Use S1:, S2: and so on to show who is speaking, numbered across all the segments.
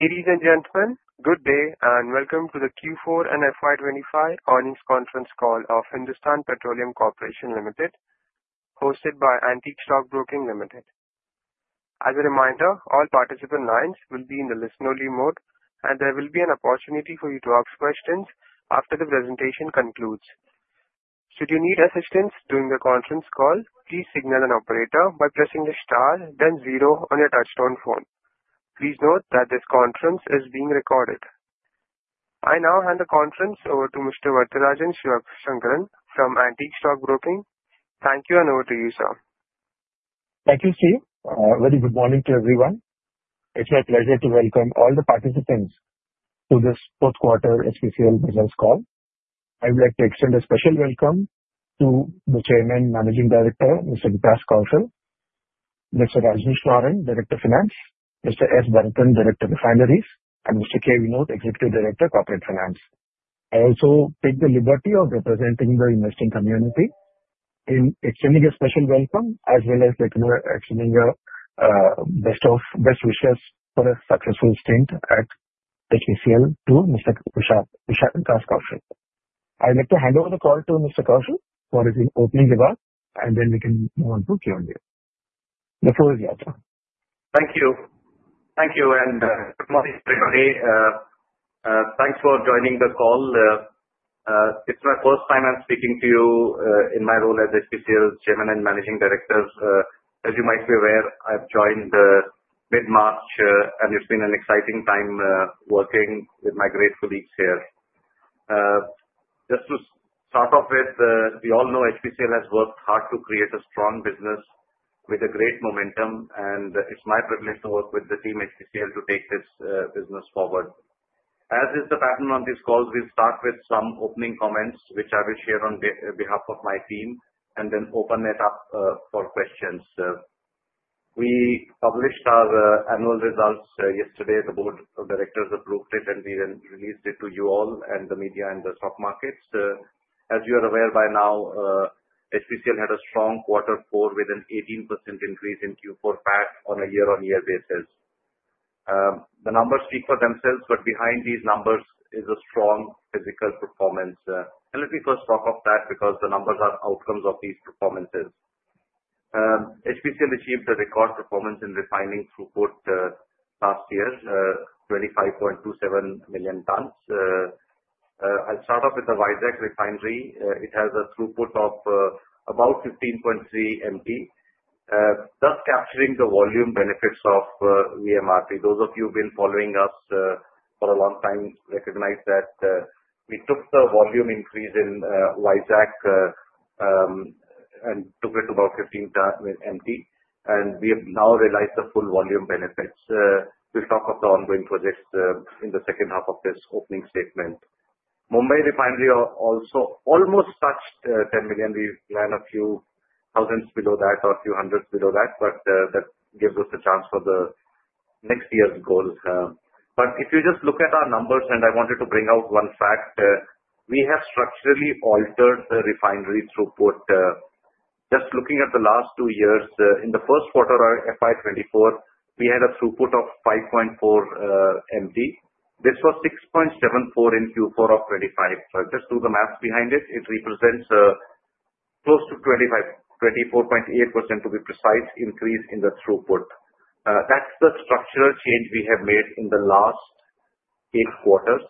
S1: Ladies and gentlemen, good day and welcome to the Q4 and FY25 earnings conference call of Hindustan Petroleum Corporation Limited, hosted by Antique Stock Broking Limited. As a reminder, all participant lines will be in the listen-only mode, and there will be an opportunity for you to ask questions after the presentation concludes. Should you need assistance during the conference call, please signal an operator by pressing the star, then zero on your touchstone phone. Please note that this conference is being recorded. I now hand the conference over to Mr. Vethirajan Shankaran from Antique Stock Broking. Thank you, and over to you, sir.
S2: Thank you, Steve. Very good morning to everyone. It's my pleasure to welcome all the participants to this fourth quarter HPCL business call. I would like to extend a special welcome to the Chairman, Managing Director, Mr. Vikas Kaushal, Mr. Rajneesh Narang, Director of Finance, Mr. S. Bharathan, Director of Refineries, and Mr. K. Vinod, Executive Director, Corporate Finance. I also take the liberty of representing the investing community in extending a special welcome as well as extending best wishes for a successful stint at HPCL to Mr. Vikas Kaushal. I'd like to hand over the call to Mr. Kaushal for his opening remarks, and then we can move on to Q&A. The floor is yours.
S3: Thank you. Thank you, and good morning, everybody. Thanks for joining the call. It's my first time I'm speaking to you in my role as HPCL's Chairman and Managing Director. As you might be aware, I've joined mid-March, and it's been an exciting time working with my great colleagues here. Just to start off with, we all know HPCL has worked hard to create a strong business with a great momentum, and it's my privilege to work with the team at HPCL to take this business forward. As is the pattern on these calls, we'll start with some opening comments, which I will share on behalf of my team, and then open it up for questions. We published our annual results yesterday. The board of directors approved it, and we then released it to you all and the media and the stock markets. As you are aware by now, HPCL had a strong quarter four with an 18% increase in Q4 PAT on a year-on-year basis. The numbers speak for themselves, but behind these numbers is a strong physical performance. Let me first talk of that because the numbers are outcomes of these performances. HPCL achieved a record performance in refining throughput last year, 25.27 million tons. I'll start off with the Visakh refinery. It has a throughput of about 15.3 million tons, thus capturing the volume benefits of VMRP. Those of you who've been following us for a long time recognize that we took the volume increase in Visakh and took it to about 15 million tons, and we have now realized the full volume benefits. We'll talk of the ongoing projects in the second half of this opening statement. Mumbai refinery also almost touched 10 million. We plan a few thousands below that or a few hundreds below that, but that gives us a chance for the next year's goals. If you just look at our numbers, and I wanted to bring out one fact, we have structurally altered the refinery throughput. Just looking at the last two years, in the first quarter of FY2024, we had a throughput of 5.4 MT. This was 6.74 in Q4 of 2025. Just do the maths behind it. It represents close to 24.8%, to be precise, increase in the throughput. That is the structural change we have made in the last eight quarters,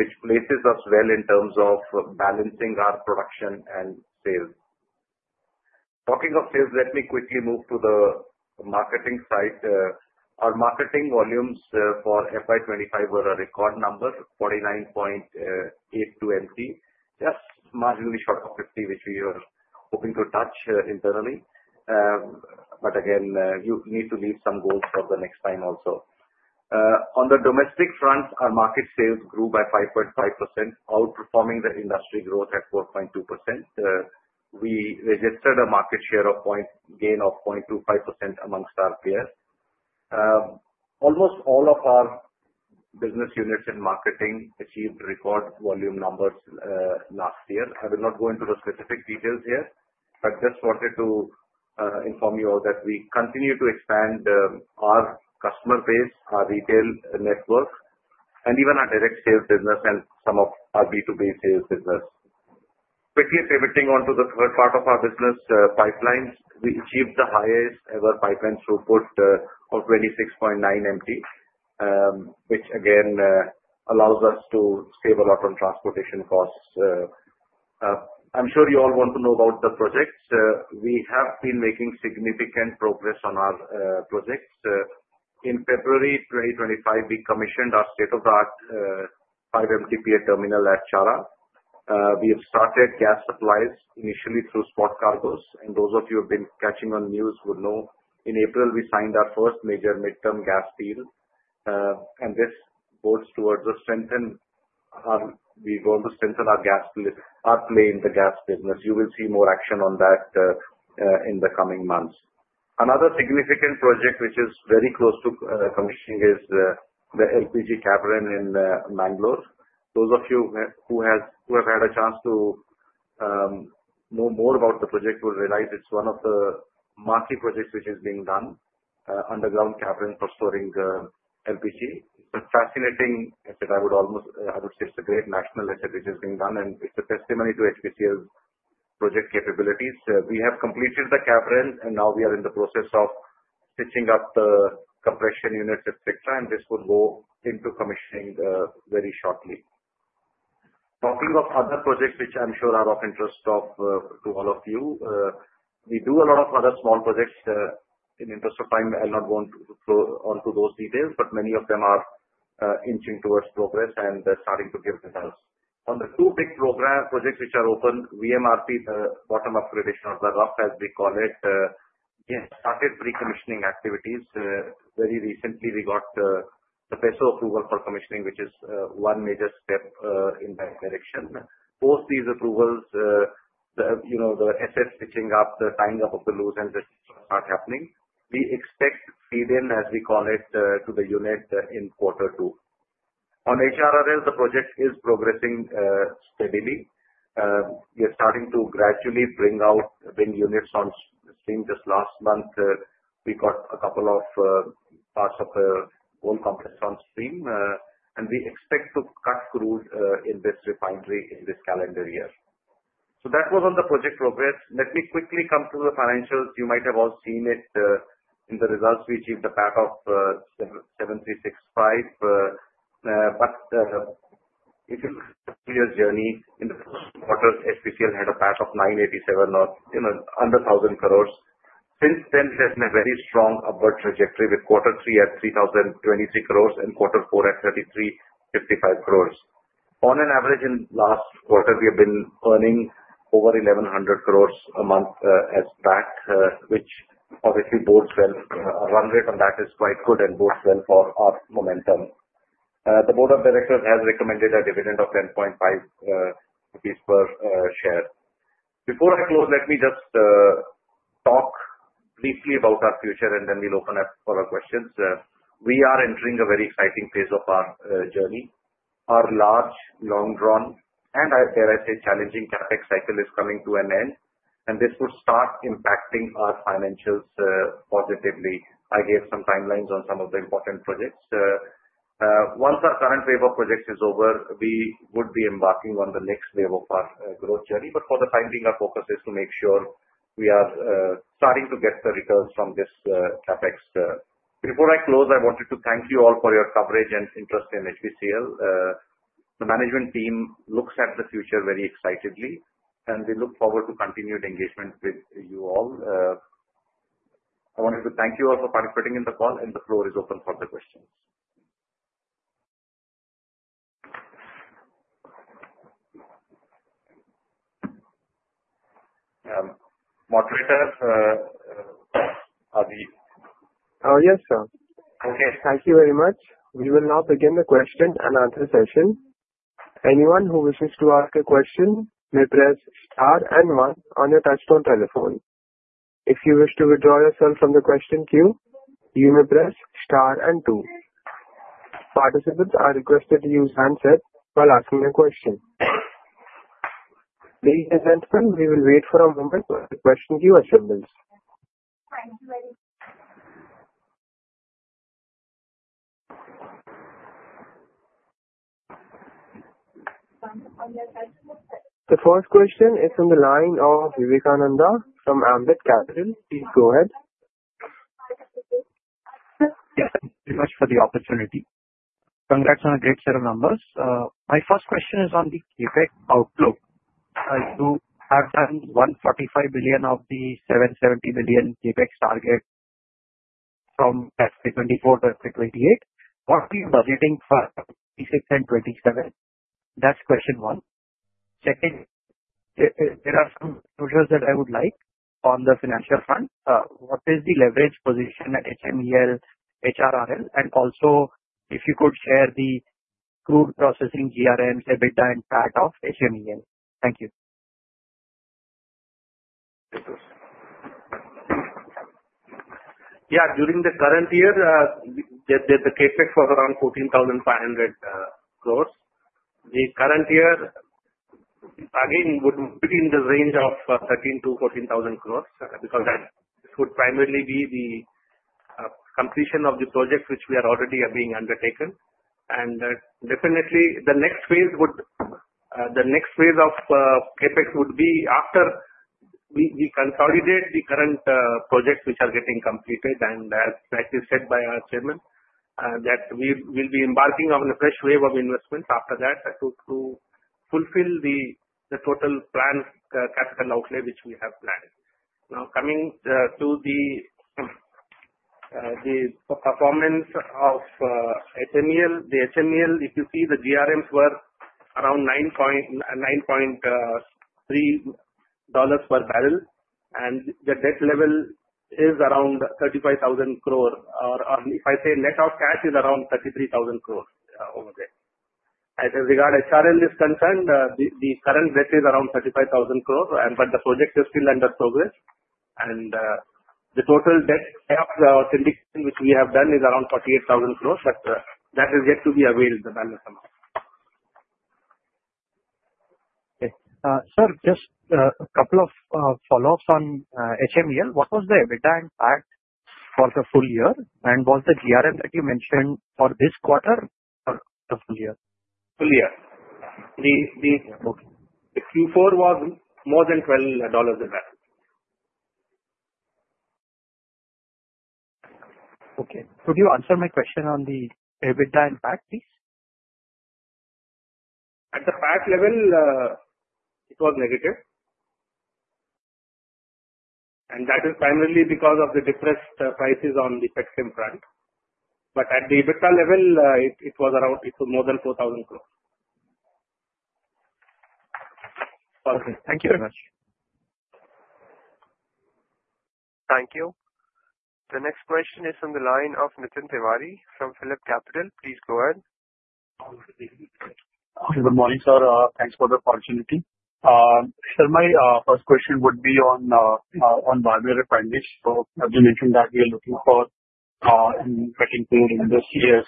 S3: which places us well in terms of balancing our production and sales. Talking of sales, let me quickly move to the marketing side. Our marketing volumes for FY25 were a record number, 49.82 MT, just marginally short of 50, which we were hoping to touch internally. You need to leave some goals for the next time also. On the domestic front, our market sales grew by 5.5%, outperforming the industry growth at 4.2%. We registered a market share gain of 0.25% amongst our peers. Almost all of our business units and marketing achieved record volume numbers last year. I will not go into the specific details here, but just wanted to inform you all that we continue to expand our customer base, our retail network, and even our direct sales business and some of our B2B sales business. Quickly pivoting onto the third part of our business pipelines, we achieved the highest-ever pipeline throughput of 26.9 MT, which again allows us to save a lot on transportation costs. I'm sure you all want to know about the projects. We have been making significant progress on our projects. In February 2025, we commissioned our state-of-the-art 5 MTPA terminal at Chhara. We have started gas supplies initially through spot cargoes, and those of you who have been catching on news would know in April we signed our first major mid-term gas deal, and this goes towards the strengthen our we're going to strengthen our gas play in the gas business. You will see more action on that in the coming months. Another significant project, which is very close to commissioning, is the LPG cavern in Mangalore. Those of you who have had a chance to know more about the project will realize it's one of the marquee projects which is being done, underground cavern for storing LPG. It's a fascinating asset. I would almost, I would say, it's a great national asset which is being done, and it's a testimony to HPCL's project capabilities. We have completed the cavern, and now we are in the process of stitching up the compression units, etc., and this will go into commissioning very shortly. Talking of other projects, which I'm sure are of interest to all of you, we do a lot of other small projects. In the interest of time, I'll not go on to those details, but many of them are inching towards progress and starting to give results. On the two big projects which are open, VMRP, the bottom upgradation or the rough, as we call it, we have started pre-commissioning activities. Very recently, we got the PESO approval for commissioning, which is one major step in that direction. Post these approvals, the assets stitching up, the tying up of the loose ends that start happening, we expect feed-in, as we call it, to the unit in quarter two. On HRRL, the project is progressing steadily. We are starting to gradually bring out units on stream. Just last month, we got a couple of parts of the whole complex on stream, and we expect to cut crude in this refinery this calendar year. That was on the project progress. Let me quickly come to the financials. You might have all seen it in the results. We achieved a PAT of 7,365 crore, but if you look at your journey in the first quarter, HPCL had a PAT of 987 crore, or under 1,000 crore. Since then, it has been a very strong upward trajectory with quarter three at 3,023 crore and quarter four at 3,355 crore. On an average, in the last quarter, we have been earning over 1,100 crore a month as PAT, which obviously bodes well. Our run rate on that is quite good, and bodes well for our momentum. The Board of Directors has recommended a dividend of 10.5 rupees per share. Before I close, let me just talk briefly about our future, and then we'll open up for our questions. We are entering a very exciting phase of our journey. Our large, long-drawn, and, dare I say, challenging CapEx cycle is coming to an end, and this would start impacting our financials positively. I gave some timelines on some of the important projects. Once our current wave of projects is over, we would be embarking on the next wave of our growth journey. For the time being, our focus is to make sure we are starting to get the returns from this CapEx. Before I close, I wanted to thank you all for your coverage and interest in HPCL. The management team looks at the future very excitedly, and we look forward to continued engagement with you all. I wanted to thank you all for participating in the call, and the floor is open for the questions. Moderator, are we?
S1: Oh, yes, sir. Thank you very much. We will now begin the question and answer session. Anyone who wishes to ask a question may press star and one on your touchstone telephone. If you wish to withdraw yourself from the question queue, you may press star and two. Participants are requested to use handset while asking a question. Please be gentlemen. We will wait for a moment while the question queue assembles. The first question is from the line of Vivekananda from Ambit Capital. Please go ahead.
S4: Thank you so much for the opportunity. Congrats on a great set of numbers. My first question is on the CapEx outlook. You have done 145 billion of the 770 billion CapEx target from FY2024 to FY2028. What are you budgeting for 2026 and 2027? That's question one. Second, there are some questions that I would like on the financial front. What is the leverage position at HMEL HRRL? And also, if you could share the crude processing GRM, EBITDA, and PAT of HMEL. Thank you.
S3: Yeah, during the current year, the CapEx was around 14,500 crore. The current year, again, would be in the range of 13,000-14,000 crore because this would primarily be the completion of the projects which we are already being undertaken. Definitely, the next phase of CapEx would be after we consolidate the current projects which are getting completed, and as said by our Chairman, that we will be embarking on a fresh wave of investments after that to fulfill the total planned capital outlay which we have planned. Now, coming to the performance of HMEL, the HMEL, if you see the GRMs were around $9.3 per barrel, and the debt level is around 35,000 crore. Or if I say net of cash, it is around 33,000 crore over there. As regard HRRL is concerned, the current debt is around 35,000 crore, but the project is still under progress. The total debt of the authentication which we have done is around 48,000 crore, but that is yet to be availed, the balance amount.
S4: Okay. Sir, just a couple of follow-ups on HMEL. What was the EBITDA and PAT for the full year? And was the GRM that you mentioned for this quarter or the full year?
S3: Full year. The Q4 was more than $12 a barrel.
S4: Okay. Could you answer my question on the EBITDA and PAT, please?
S3: At the PAT level, it was negative. That is primarily because of the depressed prices on the petroleum front. At the EBITDA level, it was around more than 4,000 crore.
S4: Okay. Thank you very much.
S1: Thank you. The next question is from the line of Nitin Tiwari from Philip Capital. Please go ahead.
S5: Good morning, sir. Thanks for the opportunity. Sir, my first question would be on Barmer refineries. As you mentioned that we are looking for and getting clear in this year,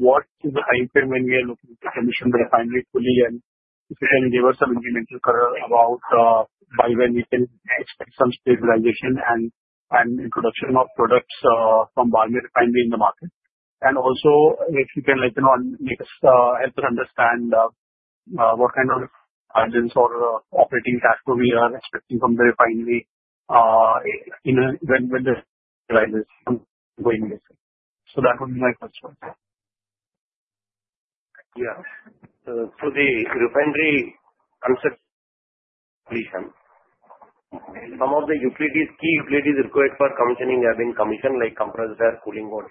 S5: what is the time frame when we are looking to commission the refinery fully? If you can give us some incremental color about by when we can expect some stabilization and introduction of products from Barmer refinery in the market. Also, if you can help us understand what kind of margins or operating cash flow we are expecting from the refinery when the going this way. That would be my first question.
S3: Yeah. The refinery concept completion, some of the key utilities required for commissioning have been commissioned, like compressed air, cooling water,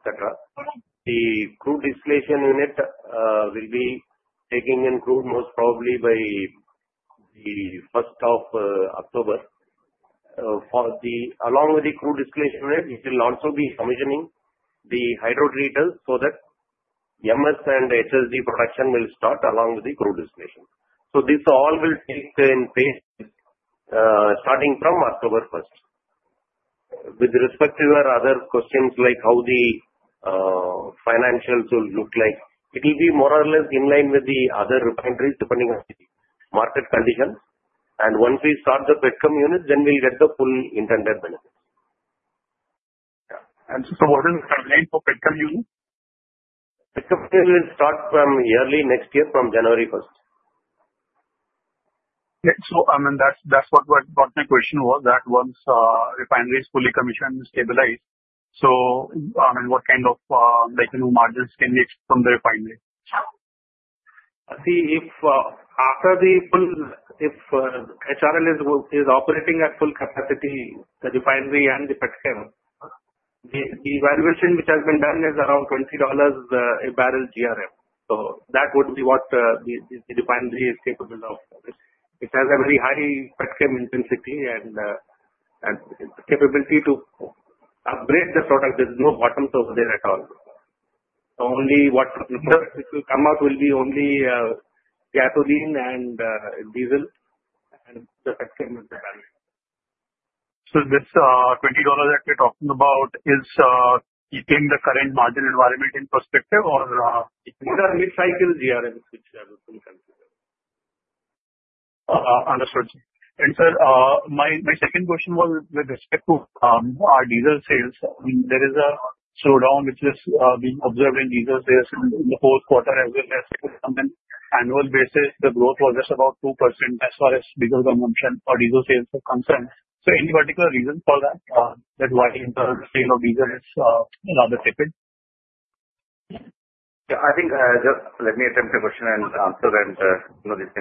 S3: etc. The crude distillation unit will be taking in crude most probably by the first of October. Along with the crude distillation unit, it will also be commissioning the hydrotreaters so that MS and HSD production will start along with the crude distillation. This all will take place starting from October first. With respect to your other questions, like how the financials will look like, it will be more or less in line with the other refineries depending on the market conditions. Once we start the Petcom units, then we will get the full intended benefits.
S5: Yeah. What is the timeline for Petcom units?
S3: Petchem units start from early next year, from January 1.
S5: I mean, that's what my question was, that once refineries fully commission and stabilize, I mean, what kind of margins can we expect from the refineries?
S3: See, after the full, if HRRL is operating at full capacity, the refinery and the Petchem, the evaluation which has been done is around $20 a barrel GRM. That would be what the refinery is capable of. It has a very high Petchem intensity and capability to upgrade the product. There is no bottoms over there at all. Only what comes out will be only gasoline and diesel, and the Petchem is the barrier.
S5: This $20 that we're talking about, is keeping the current margin environment in perspective or?
S3: These are mid-cycle GRMs which are being considered.
S5: Understood. Sir, my second question was with respect to our diesel sales. There is a slowdown which is being observed in diesel sales in the fourth quarter as well as on an annual basis. The growth was just about 2% as far as diesel consumption or diesel sales are concerned. Any particular reason for that, that's why the sale of diesel is rather tepid?
S3: Yeah. I think just let me attempt a question and answer and know this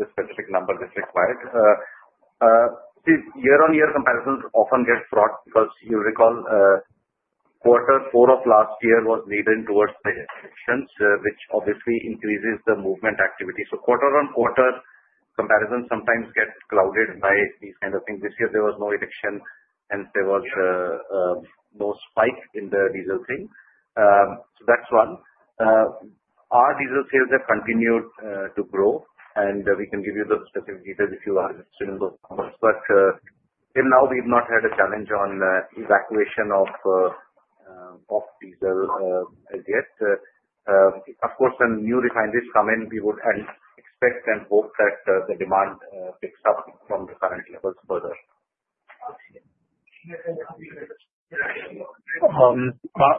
S3: specific number that's required. See, year-on-year comparisons often get fraught because you recall quarter four of last year was leading towards elections, which obviously increases the movement activity. Quarter-on-quarter comparisons sometimes get clouded by these kinds of things. This year, there was no election, and there was no spike in the diesel thing. That's one. Our diesel sales have continued to grow, and we can give you the specific details if you are interested in those numbers. Till now, we've not had a challenge on evacuation of diesel as yet. Of course, when new refineries come in, we would expect and hope that the demand picks up from the current levels further.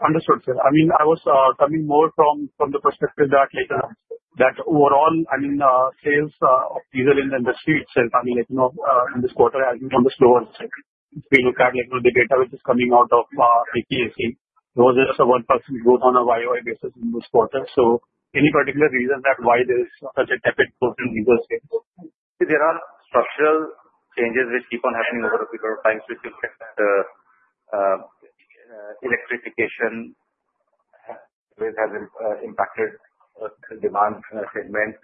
S5: Understood, sir. I mean, I was coming more from the perspective that overall, I mean, sales of diesel in the industry itself, I mean, in this quarter, has been on the slower side. If we look at the data which is coming out of IPAC, there was just a 1% growth on a YOI basis in this quarter. Any particular reason that why there is such a tepid growth in diesel sales?
S3: There are structural changes which keep on happening over a period of time, which we expect. Electrification has impacted demand segment.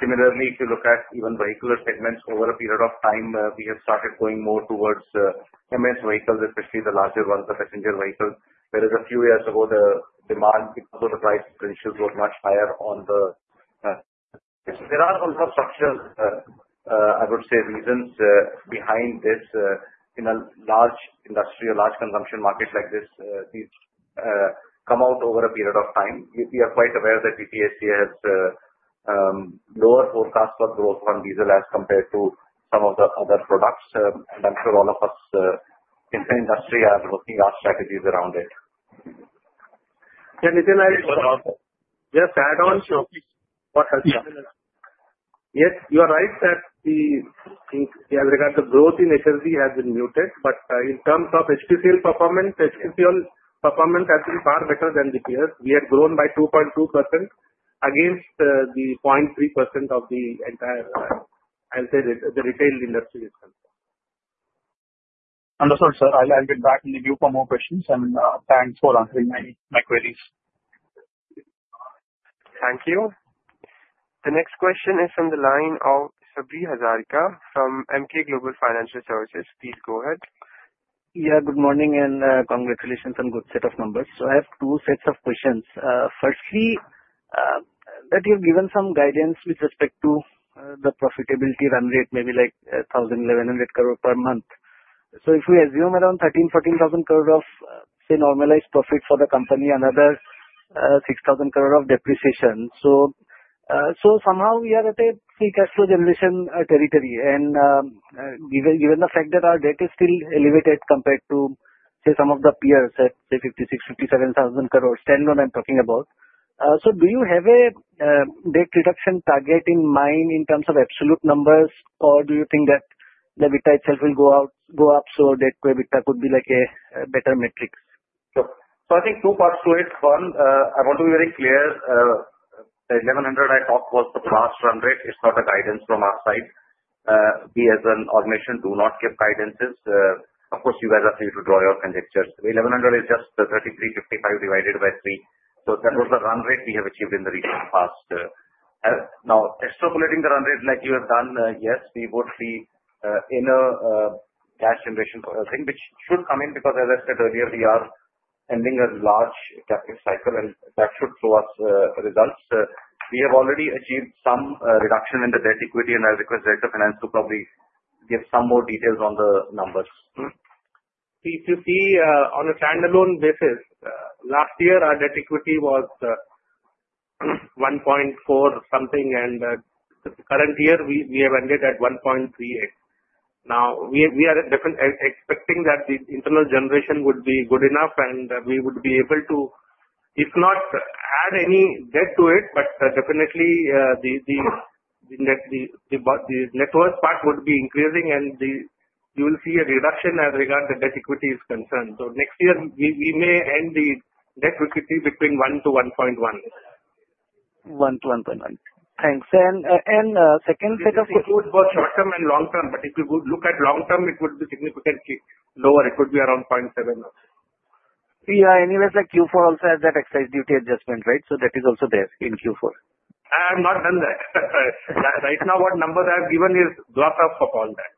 S3: Similarly, if you look at even vehicular segments over a period of time, we have started going more towards MS vehicles, especially the larger ones, the passenger vehicles. Whereas a few years ago, the demand because of the price differentials was much higher on the. There are a lot of structural, I would say, reasons behind this. In a large industry, a large consumption market like this, these come out over a period of time. We are quite aware that EPAC has lower forecasts for growth on diesel as compared to some of the other products. I'm sure all of us in the industry are working our strategies around it. Yeah. Nitin, I just add on. Yes.
S5: What has been?
S3: Yes. You are right that as regard to growth in HSD has been muted, but in terms of HPCL performance, HPCL performance has been far better than the years. We had grown by 2.2% against the 0.3% of the entire, I'll say, the retail industry is concerned.
S5: Understood, sir. I'll get back in the queue for more questions. Thank you for answering my queries.
S1: Thank you. The next question is from the line of Sabri Hazarika from Emkay Global Financial Services. Please go ahead.
S6: Yeah. Good morning and congratulations on a good set of numbers. I have two sets of questions. Firstly, that you've given some guidance with respect to the profitability run rate, maybe like 1,000-1,100 crore per month. If we assume around 13,000-14,000 crore of, say, normalized profit for the company, another 6,000 crore of depreciation, somehow we are at a free cash flow generation territory. Given the fact that our debt is still elevated compared to, say, some of the peers at, say, 56,000-57,000 crore, 10 million I'm talking about, do you have a debt reduction target in mind in terms of absolute numbers, or do you think that the EBITDA itself will go up so that EBITDA could be like a better metric?
S3: I think two parts to it. One, I want to be very clear. The 1,100 I talked was the last run rate. It is not a guidance from our side. We as an organization do not give guidances. Of course, you guys are free to draw your conjectures. 1,100 is just 3,355 divided by 3. That was the run rate we have achieved in the recent past. Now, extrapolating the run rate like you have done, yes, we would see inner cash generation thing, which should come in because, as I said earlier, we are ending a large CapEx cycle, and that should show us results. We have already achieved some reduction in the debt equity, and I request Director Finance to probably give some more details on the numbers. See, if you see on a standalone basis, last year our debt equity was 1.4 something, and the current year we have ended at 1.38. Now, we are expecting that the internal generation would be good enough, and we would be able to, if not add any debt to it, but definitely the net worth part would be increasing, and you will see a reduction as regard to debt equity is concerned. Next year, we may end the debt equity between 1-1.1.
S6: Thanks. And second set of questions.
S3: It would be both short-term and long-term, but if you look at long-term, it would be significantly lower. It would be around 0.7.
S6: Yeah. Anyways, like Q4 also has that excise duty adjustment, right? That is also there in Q4.
S3: I have not done that. Right now, what numbers I have given is glass half of all that.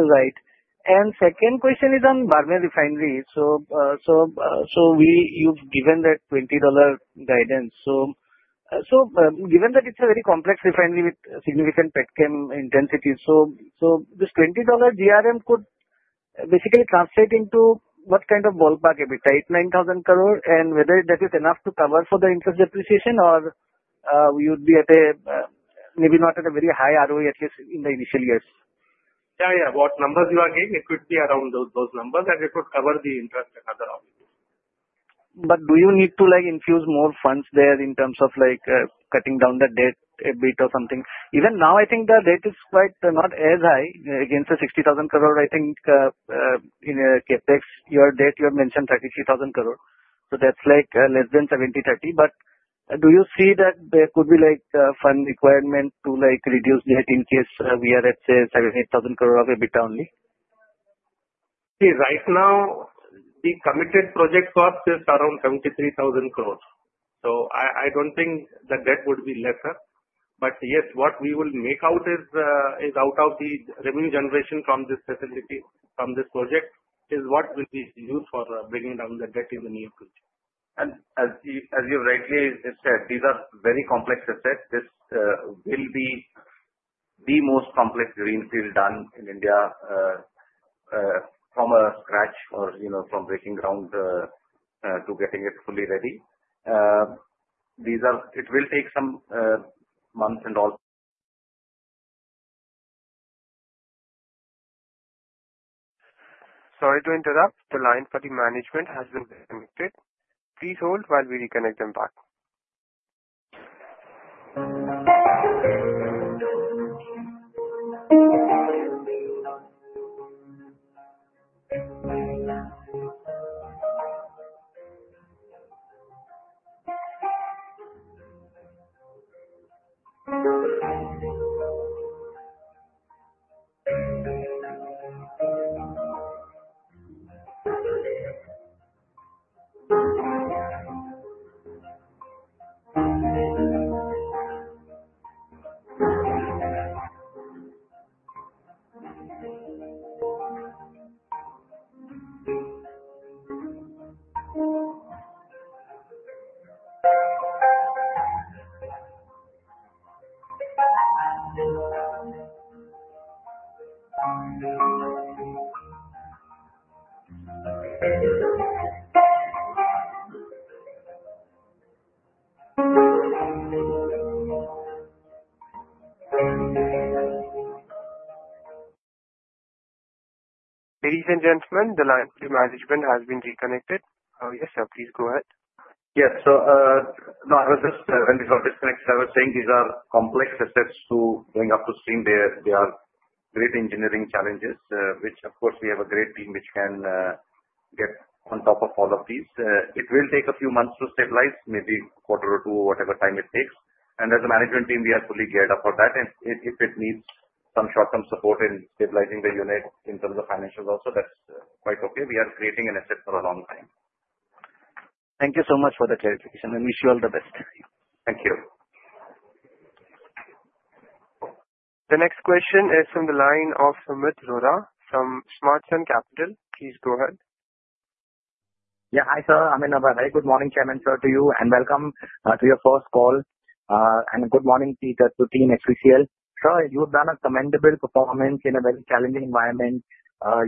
S6: Right. Second question is on Barmer refineries. You have given that $20 guidance. Given that it is a very complex refinery with significant petchem intensity, this $20 GRM could basically translate into what kind of ballpark, a tight 9,000 crore, and whether that is enough to cover for the interest depreciation, or you would be maybe not at a very high ROE, at least in the initial years.
S3: Yeah. Yeah. What numbers you are giving, it could be around those numbers, and it would cover the interest and other obligations.
S6: Do you need to infuse more funds there in terms of cutting down the debt a bit or something? Even now, I think the debt is quite not as high against the 60,000 crore, I think, in CapEx. Your debt, you have mentioned 33,000 crore. So that is less than 70-30. Do you see that there could be fund requirement to reduce debt in case we are at, say, 70,000 crore of EBITDA only?
S3: See, right now, the committed project cost is around 73,000 crore. I do not think the debt would be lesser. Yes, what we will make out is out of the revenue generation from this facility, from this project, is what will be used for bringing down the debt in the near future. As you rightly said, these are very complex assets. This will be the most complex greenfield done in India from scratch or from breaking ground to getting it fully ready. It will take some months and all.
S1: Sorry to interrupt. The line for the management has been disconnected. Please hold while we reconnect them. Ladies and gentlemen, the line for the management has been reconnected. Yes, sir, please go ahead.
S3: Yes. No, I was just—when we got disconnected, I was saying these are complex assets to bring up to stream. They are great engineering challenges, which, of course, we have a great team which can get on top of all of these. It will take a few months to stabilize, maybe a quarter or two, whatever time it takes. As a management team, we are fully geared up for that. If it needs some short-term support in stabilizing the unit in terms of financials also, that's quite okay. We are creating an asset for a long time.
S1: Thank you so much for the clarification. I wish you all the best.
S3: Thank you.
S1: The next question is from the line of Samith Rohra from SMARTSUN CAPITAL. Please go ahead.
S7: Yeah. Hi, sir. I mean, a very good morning, Chairman Sir, to you, and welcome to your first call. And good morning, Peter, to Team HPCL. Sir, you've done a commendable performance in a very challenging environment.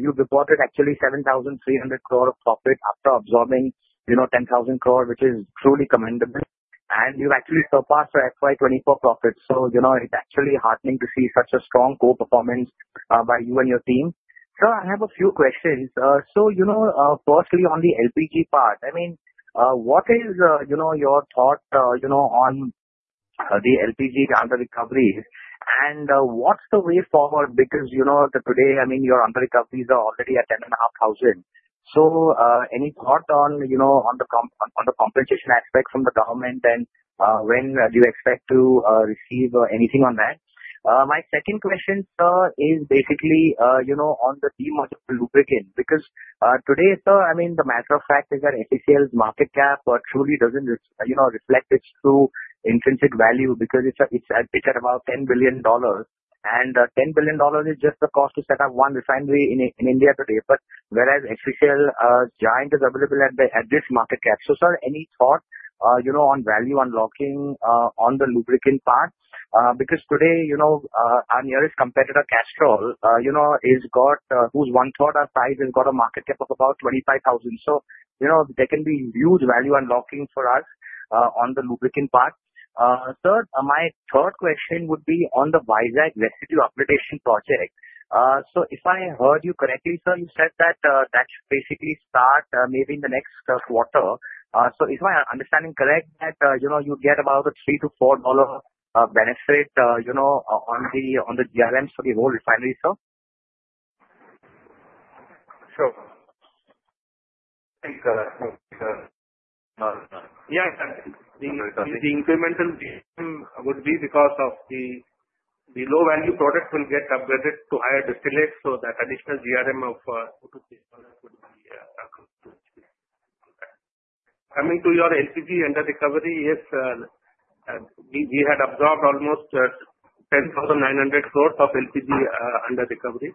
S7: You've reported actually 7,300 crore of profit after absorbing 10,000 crore, which is truly commendable. And you've actually surpassed your FY 2024 profit. It is actually heartening to see such a strong core performance by you and your team. Sir, I have a few questions. Firstly, on the LPG part, I mean, what is your thought on the LPG under recovery? What's the way forward? Because today, I mean, your under recovery is already at 10,500 crore. Any thought on the compensation aspect from the government, and when do you expect to receive anything on that? My second question, sir, is basically on the theme of lubricant. Because today, sir, I mean, the matter of fact is that HPCL's market cap truly does not reflect its true intrinsic value because it is at about $10 billion. And $10 billion is just the cost to set up one refinery in India today. Whereas HPCL giant is available at this market cap. Sir, any thought on value unlocking on the lubricant part? Because today, our nearest competitor, Castrol, who is one-third our size, has got a market cap of about INR 25,000. There can be huge value unlocking for us on the lubricant part. My third question would be on the Visakh residue appreciation project. If I heard you correctly, sir, you said that should basically start maybe in the next quarter. If my understanding is correct, you get about a $3-$4 benefit on the GRMs for the whole refinery, sir?
S3: Sure. Thanks, sir. Yeah. The incremental would be because of the low-value product will get upgraded to higher distillates. So that additional GRM of product would be coming to your LPG under recovery. Yes, we had absorbed almost 10,900 crore of LPG under recovery.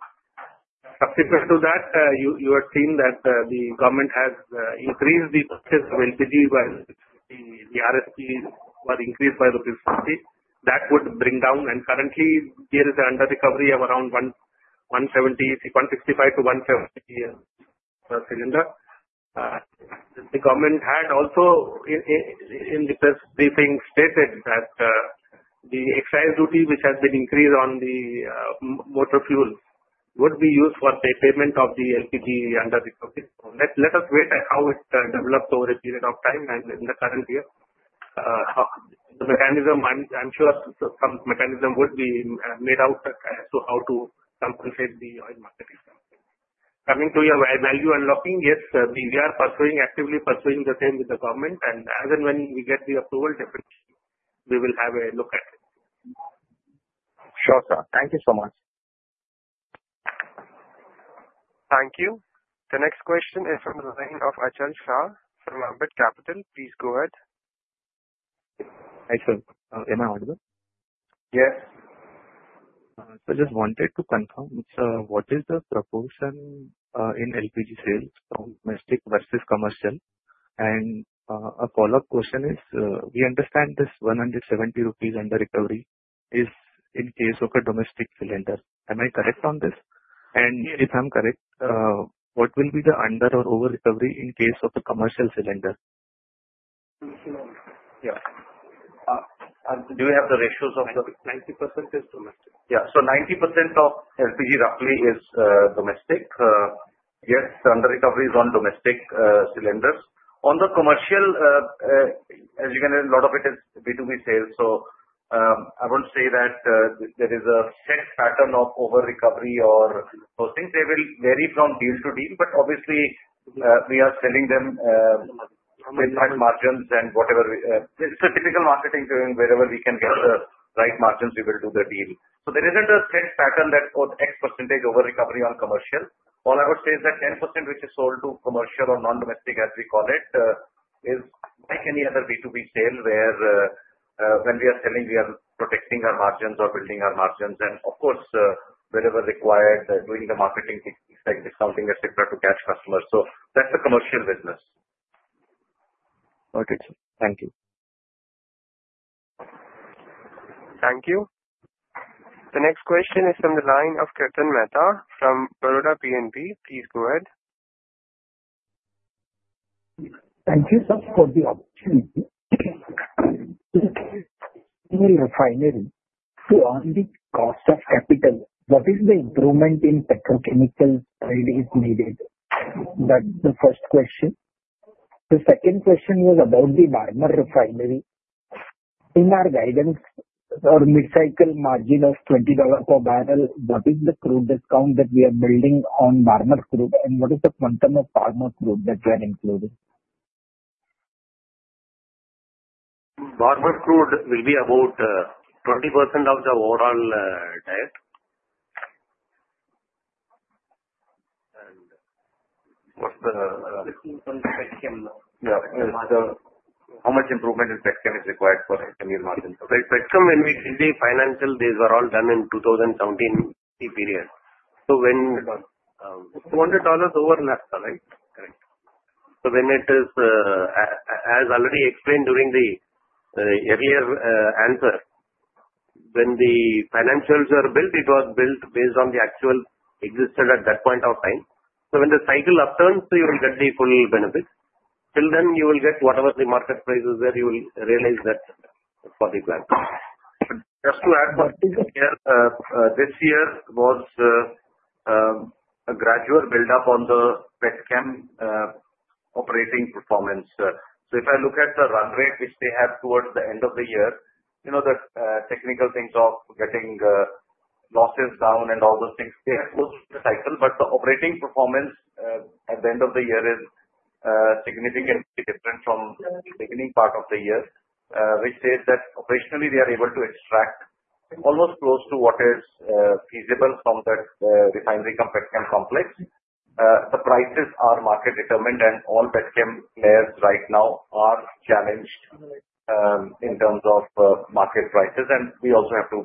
S3: Subsequent to that, you have seen that the government has increased the purchase of LPG while the RSP was increased by 50. That would bring down. Currently, there is an under recovery of around 165-170 per cylinder. The government had also in the press briefing stated that the excise duty, which has been increased on the motor fuel, would be used for the payment of the LPG under recovery. Let us wait and see how it develops over a period of time. In the current year, the mechanism, I'm sure some mechanism would be made out as to how to compensate the oil market. Coming to your value unlocking, yes, we are actively pursuing the same with the government. As and when we get the approval, definitely we will have a look at it.
S7: Sure, sir. Thank you so much.
S1: Thank you. The next question is from the line of Achal Shar from Ambit Capital. Please go ahead.
S8: Hi sir. Am I audible?
S1: Yes.
S8: I just wanted to confirm, sir, what is the proportion in LPG sales from domestic versus commercial? A follow-up question is, we understand this 170 rupees under recovery is in case of a domestic cylinder. Am I correct on this? If I'm correct, what will be the under or over recovery in case of a commercial cylinder? Yeah. Do you have the ratios of the?
S3: 90% is domestic. Yeah. So 90% of LPG roughly is domestic. Yes, the under recovery is on domestic cylinders. On the commercial, as you can hear, a lot of it is B2B sales. I will not say that there is a set pattern of over recovery or those things. They will vary from deal to deal. Obviously, we are selling them with right margins and whatever. It is a typical marketing term. Wherever we can get the right margins, we will do the deal. There is not a set pattern that X percentage over recovery on commercial. All I would say is that 10%, which is sold to commercial or non-domestic, as we call it, is like any other B2B sale where when we are selling, we are protecting our margins or building our margins. Of course, wherever required, doing the marketing, discounting, etc., to catch customers. That is the commercial business.
S8: Okay, sir. Thank you.
S1: Thank you. The next question is from the line of Kirtan Mehta from Baroda BNP. Please go ahead.
S9: Thank you, sir, for the opportunity. In a refinery, to earn the cost of capital, what is the improvement in petrochemicals that is needed? That's the first question. The second question was about the Barmer refinery. In our guidance or mid-cycle margin of $20 per barrel, what is the crude discount that we are building on Barmer crude? And what is the quantum of Barmer crude that we are including?
S3: Barmer crude will be about 20% of the overall diet. What's the?
S9: How much improvement in Petcom is required for the margin?
S3: Petchem, when we did the financial, these were all done in 2017 period. So when $200 overlaps, right?
S9: Correct.
S3: When it is, as already explained during the earlier answer, when the financials were built, it was built based on the actual existed at that point of time. When the cycle upturns, you will get the full benefit. Till then, you will get whatever the market price is there, you will realize that for the plan. Just to add, this year was a gradual build-up on the Petcom operating performance. If I look at the run rate, which they have towards the end of the year, the technical things of getting losses down and all those things, they are close to the cycle. The operating performance at the end of the year is significantly different from the beginning part of the year, which says that operationally, we are able to extract almost close to what is feasible from the refinery complex. The prices are market determined, and all Petcom players right now are challenged in terms of market prices. We also have to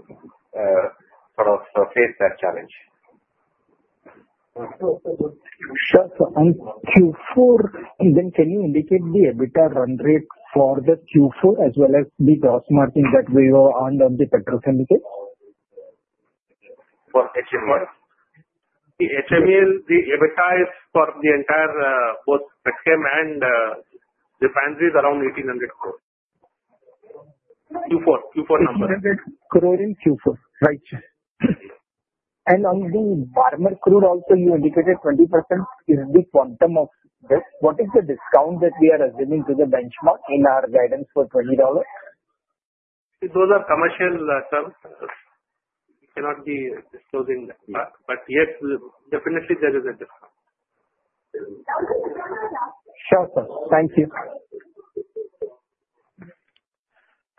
S3: sort of face that challenge.
S9: Sir, on Q4, can you indicate the EBITDA run rate for Q4 as well as the gross margin that we earned on the petrochemical?
S3: For HMEL?
S9: Yes.
S3: HMEL, the EBITDA is for the entire both Petcom and refineries around 1,800 crore. Q4, Q4 number.
S9: 1,800 crore in Q4. Right. On the Barmer crude also, you indicated 20% is the quantum of this. What is the discount that we are assuming to the benchmark in our guidance for $20?
S3: Those are commercial terms. We cannot be disclosing that. Yes, definitely, there is a discount.
S9: Sure, sir. Thank you.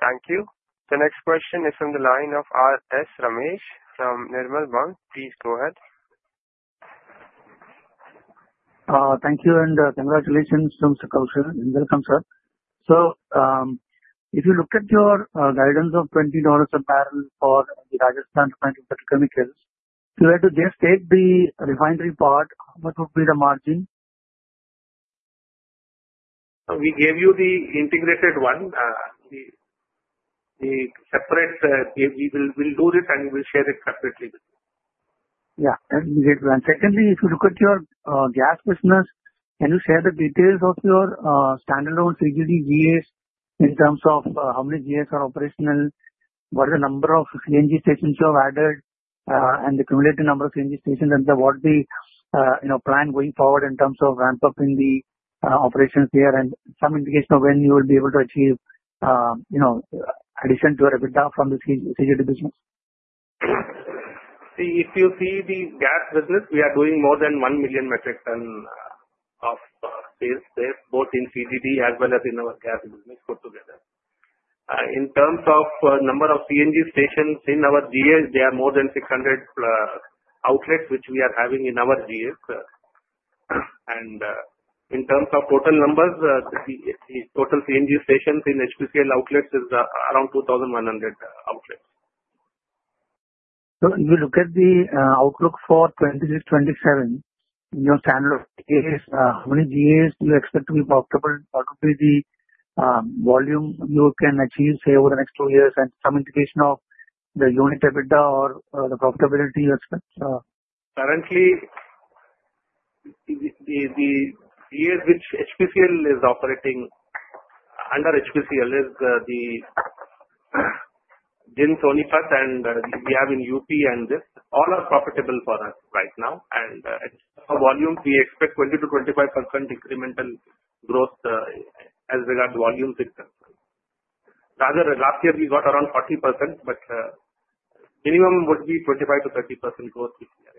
S1: Thank you. The next question is from the line of R.S. Ramesh from Nirmal Bang. Please go ahead.
S10: Thank you. Congratulations from Sarkav Sher. Welcome, sir. If you look at your guidance of $20 a barrel for the Rajasthan Petrochemicals, if you were to just take the refinery part, what would be the margin?
S3: We gave you the integrated one. We will do this, and we will share it separately.
S10: Yeah. Secondly, if you look at your gas business, can you share the details of your standalone CGDs in terms of how many GAs are operational? What are the number of CNG stations you have added and the cumulative number of CNG stations? What is the plan going forward in terms of ramp up in the operations here? Some indication of when you will be able to achieve addition to your EBITDA from the CGD business?
S3: See, if you see the gas business, we are doing more than 1 million metric tons of sales, both in CGD as well as in our gas business put together. In terms of number of CNG stations in our GS, there are more than 600 outlets, which we are having in our GS. In terms of total numbers, the total CNG stations in HPCL outlets is around 2,100 outlets.
S10: If you look at the outlook for 2026-2027, in your standalone case, how many GAs do you expect to be profitable? What would be the volume you can achieve, say, over the next two years? And some indication of the unit EBITDA or the profitability you expect?
S3: Currently, the GS which HPCL is operating under HPCL is the GINS, Onifat, and we have in UP and this. All are profitable for us right now. For volume, we expect 20-25% incremental growth as regards volume success. Last year, we got around 40%, but minimum would be 25-30% growth this year.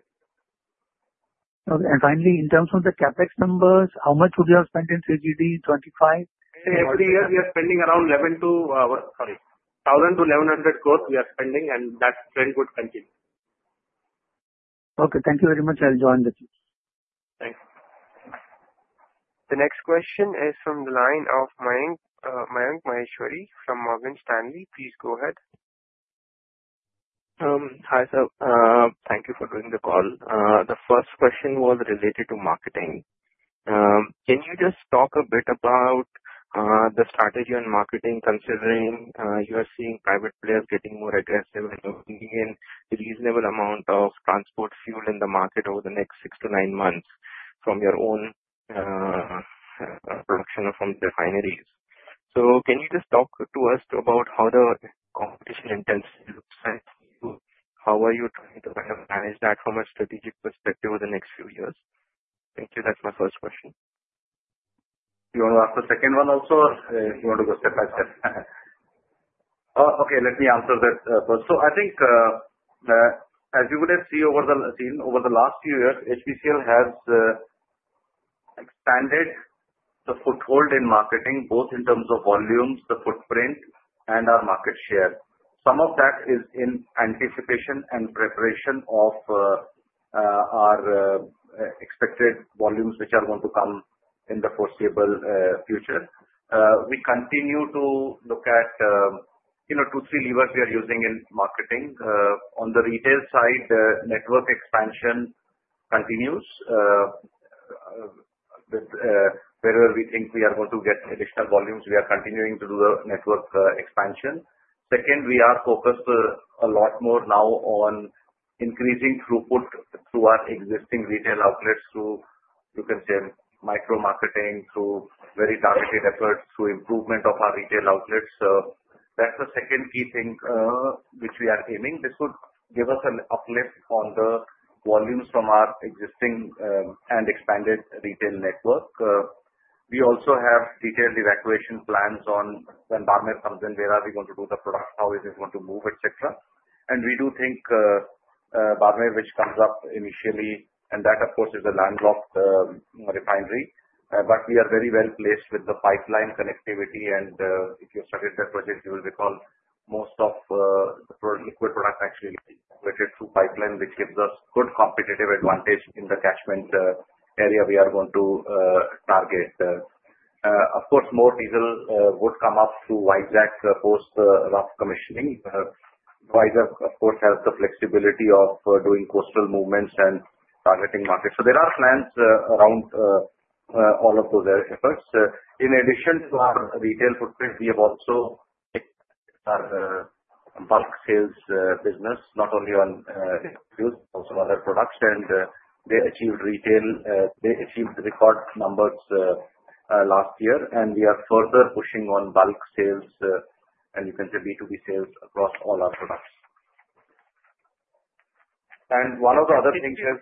S10: Okay. Finally, in terms of the CapEx numbers, how much would you have spent in CGD? 25?
S3: Every year, we are spending around 1,000-1,100 crore we are spending, and that trend would continue.
S10: Okay. Thank you very much. I'll join the team.
S3: Thanks.
S1: The next question is from the line of Mayank Maheshwari from Morgan Stanley. Please go ahead.
S11: Hi, sir. Thank you for doing the call. The first question was related to marketing. Can you just talk a bit about the strategy on marketing, considering you are seeing private players getting more aggressive and bringing in a reasonable amount of transport fuel in the market over the next six to nine months from your own production or from the refineries? Can you just talk to us about how the competition intensity looks at you? How are you trying to kind of manage that from a strategic perspective over the next few years? Thank you. That's my first question.
S3: Do you want to ask the second one also, or do you want to go step back? Okay. Let me answer that first. I think, as you would have seen over the last few years, HPCL has expanded the foothold in marketing, both in terms of volumes, the footprint, and our market share. Some of that is in anticipation and preparation of our expected volumes, which are going to come in the foreseeable future. We continue to look at two, three levers we are using in marketing. On the retail side, network expansion continues. Wherever we think we are going to get additional volumes, we are continuing to do the network expansion. Second, we are focused a lot more now on increasing throughput through our existing retail outlets, through, you can say, micro marketing, through very targeted efforts, through improvement of our retail outlets. That's the second key thing which we are aiming. This would give us an uplift on the volumes from our existing and expanded retail network. We also have detailed evacuation plans on when Barmer comes in, where are we going to do the product, how is it going to move, etc. We do think Barmer, which comes up initially, and that, of course, is a landlocked refinery. We are very well placed with the pipeline connectivity. If you studied that project, you will recall most of the liquid product actually evacuated through pipeline, which gives us good competitive advantage in the catchment area we are going to target. Of course, more diesel would come up through Visakh post-rough commissioning. Visakh, of course, has the flexibility of doing coastal movements and targeting markets. There are plans around all of those efforts. In addition to our retail footprint, we have also a bulk sales business, not only on fuels, but also other products. They achieved record numbers last year. We are further pushing on bulk sales, and you can say B2B sales across all our products. One of the other things is,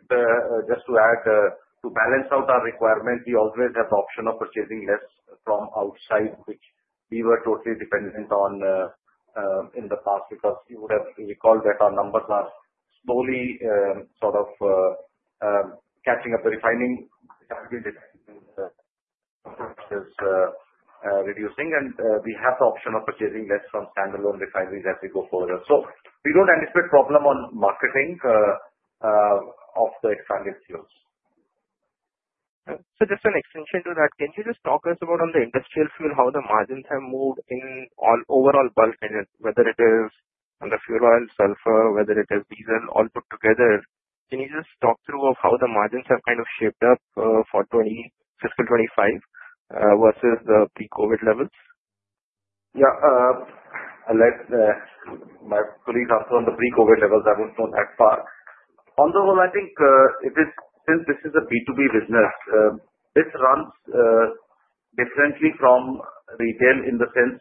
S3: just to add, to balance out our requirement, we always have the option of purchasing less from outside, which we were totally dependent on in the past. Because you would have recalled that our numbers are slowly sort of catching up. The refining capacity is reducing, and we have the option of purchasing less from standalone refineries as we go forward. We do not anticipate a problem on marketing of the expanded fuels.
S11: Just an extension to that, can you just talk to us about, on the industrial fuel, how the margins have moved in overall bulk? Whether it is on the fuel oil, sulfur, whether it is diesel, all put together, can you just talk through how the margins have kind of shaped up for fiscal 2025 versus the pre-COVID levels?
S3: Yeah. My colleagues also on the pre-COVID levels, I won't go that far. On the whole, I think, since this is a B2B business, this runs differently from retail in the sense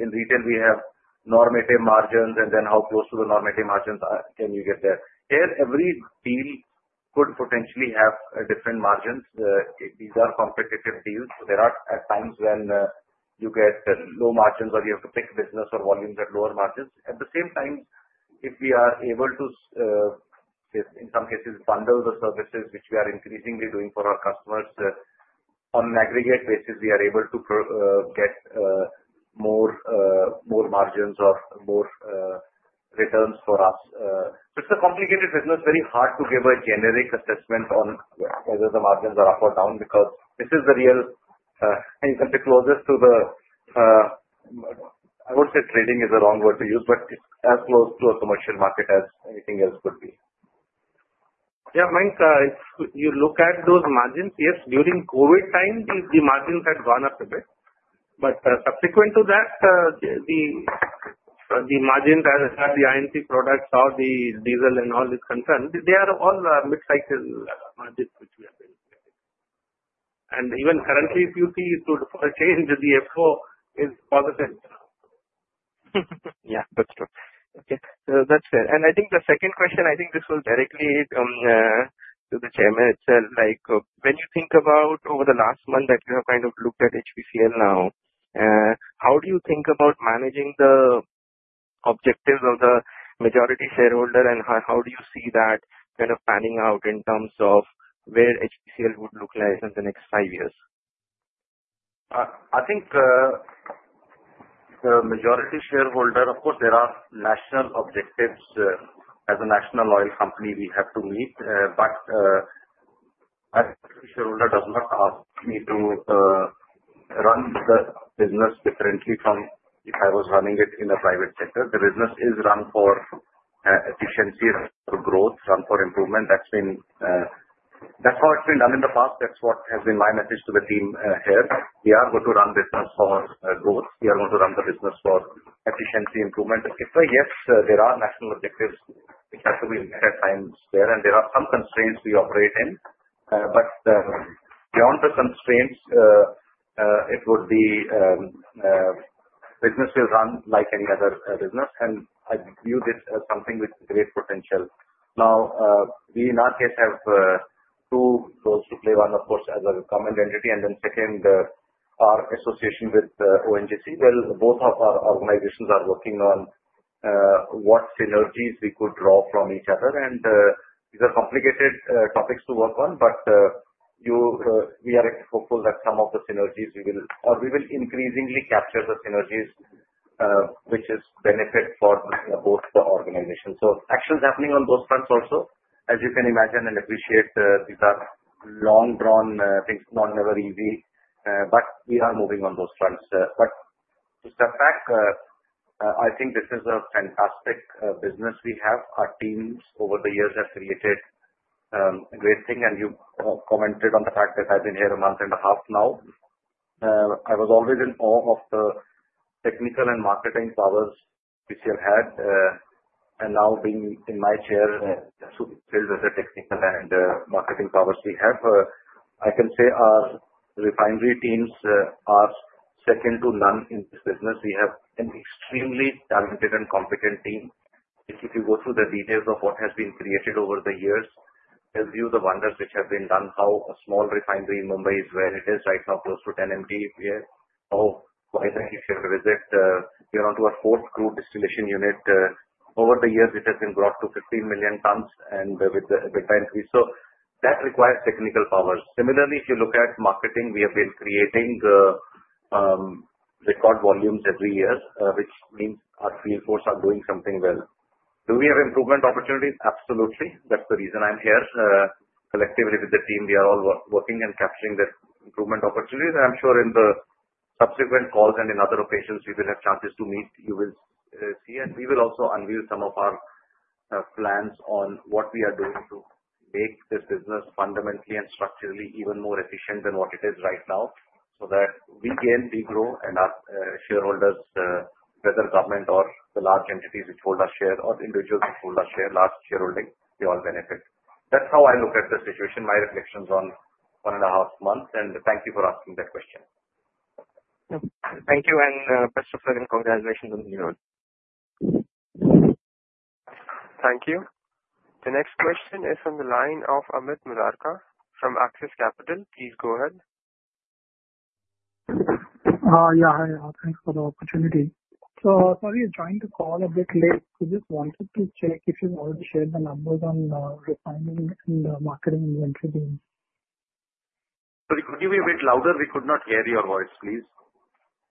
S3: in retail, we have normative margins, and then how close to the normative margins can you get there. Here, every deal could potentially have different margins. These are competitive deals. There are times when you get low margins or you have to pick business or volumes at lower margins. At the same time, if we are able to, in some cases, bundle the services, which we are increasingly doing for our customers on an aggregate basis, we are able to get more margins or more returns for us. It is a complicated business. Very hard to give a generic assessment on whether the margins are up or down because this is the real—and you can say closest to the—I would say trading is the wrong word to use, but it's as close to a commercial market as anything else could be.
S11: Yeah. If you look at those margins, yes, during COVID time, the margins had gone up a bit. Subsequent to that, the margins as the INC products or the diesel and all these concerns, they are all mid-cycle margins which we have been looking at. Even currently, if you see it to a change, the F4 is positive.
S3: Yeah. That's true.
S11: Okay. That's fair. I think the second question, I think this will directly lead to the Chairman itself. When you think about, over the last month, that you have kind of looked at HPCL now, how do you think about managing the objectives of the majority shareholder, and how do you see that kind of panning out in terms of where HPCL would look like in the next five years?
S3: I think the majority shareholder, of course, there are national objectives. As a national oil company, we have to meet. The shareholder does not ask me to run the business differently from if I was running it in a private sector. The business is run for efficiency, for growth, run for improvement. That's how it's been done in the past. That's what has been my message to the team here. We are going to run business for growth. We are going to run the business for efficiency, improvement. Yes, there are national objectives which have to be met at times there, and there are some constraints we operate in. Beyond the constraints, it would be business will run like any other business, and I view this as something with great potential. Now, we, in our case, have two roles to play. One, of course, as a government entity, and then second, our association with ONGC. Both of our organizations are working on what synergies we could draw from each other. These are complicated topics to work on, but we are hopeful that some of the synergies we will—or we will increasingly capture the synergies, which is benefit for both the organizations. Actions happening on those fronts also. As you can imagine and appreciate, these are long-drawn things, never easy. We are moving on those fronts. To step back, I think this is a fantastic business we have. Our teams over the years have created a great thing. You commented on the fact that I've been here a month and a half now. I was always in awe of the technical and marketing powers HPCL had. Now, being in my chair, filled with the technical and marketing powers we have, I can say our refinery teams are second to none in this business. We have an extremely talented and competent team. If you go through the details of what has been created over the years, it tells you the wonders which have been done. How a small refinery in Mumbai is where it is right now, close to 10 million tons here. Oh, why do not you share a visit? We are onto our fourth crude distillation unit. Over the years, it has been brought to 15 million tons, and with that increase, so that requires technical powers. Similarly, if you look at marketing, we have been creating record volumes every year, which means our field force are doing something well. Do we have improvement opportunities? Absolutely. That is the reason I am here. Collectively with the team, we are all working and capturing the improvement opportunities. I'm sure in the subsequent calls and in other occasions, we will have chances to meet. You will see. We will also unveil some of our plans on what we are doing to make this business fundamentally and structurally even more efficient than what it is right now, so that we gain, we grow, and our shareholders, whether government or the large entities which hold our share or individuals which hold our share, large shareholding, they all benefit. That's how I look at the situation, my reflections on one and a half months. Thank you for asking that question.
S11: Thank you. And best of luck and congratulations on the new one.
S1: Thank you. The next question is from the line of Amit Murarka from Axis Capital. Please go ahead.
S12: Yeah. Hi. Thanks for the opportunity. Sorry, I joined the call a bit late. I just wanted to check if you've already shared the numbers on refining and the marketing inventory teams.
S3: Sorry, could you be a bit louder? We could not hear your voice, please.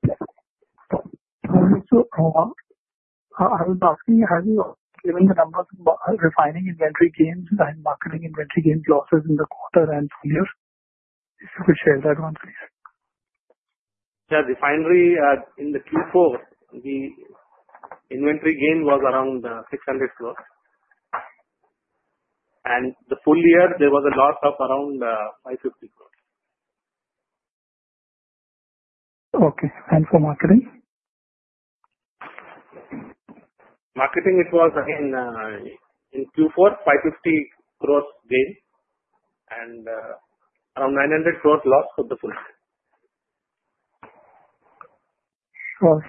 S12: I was asking, have you given the numbers on refining inventory gains and marketing inventory gains losses in the quarter and full year? If you could share that once, please.
S3: Yeah. Refinery in the Q4, the inventory gain was around 600 crore. And the full year, there was a loss of around 550 crore.
S12: Okay. For marketing?
S3: Marketing, it was, again, in Q4, 550 crore gain and around 900 crore loss for the full year.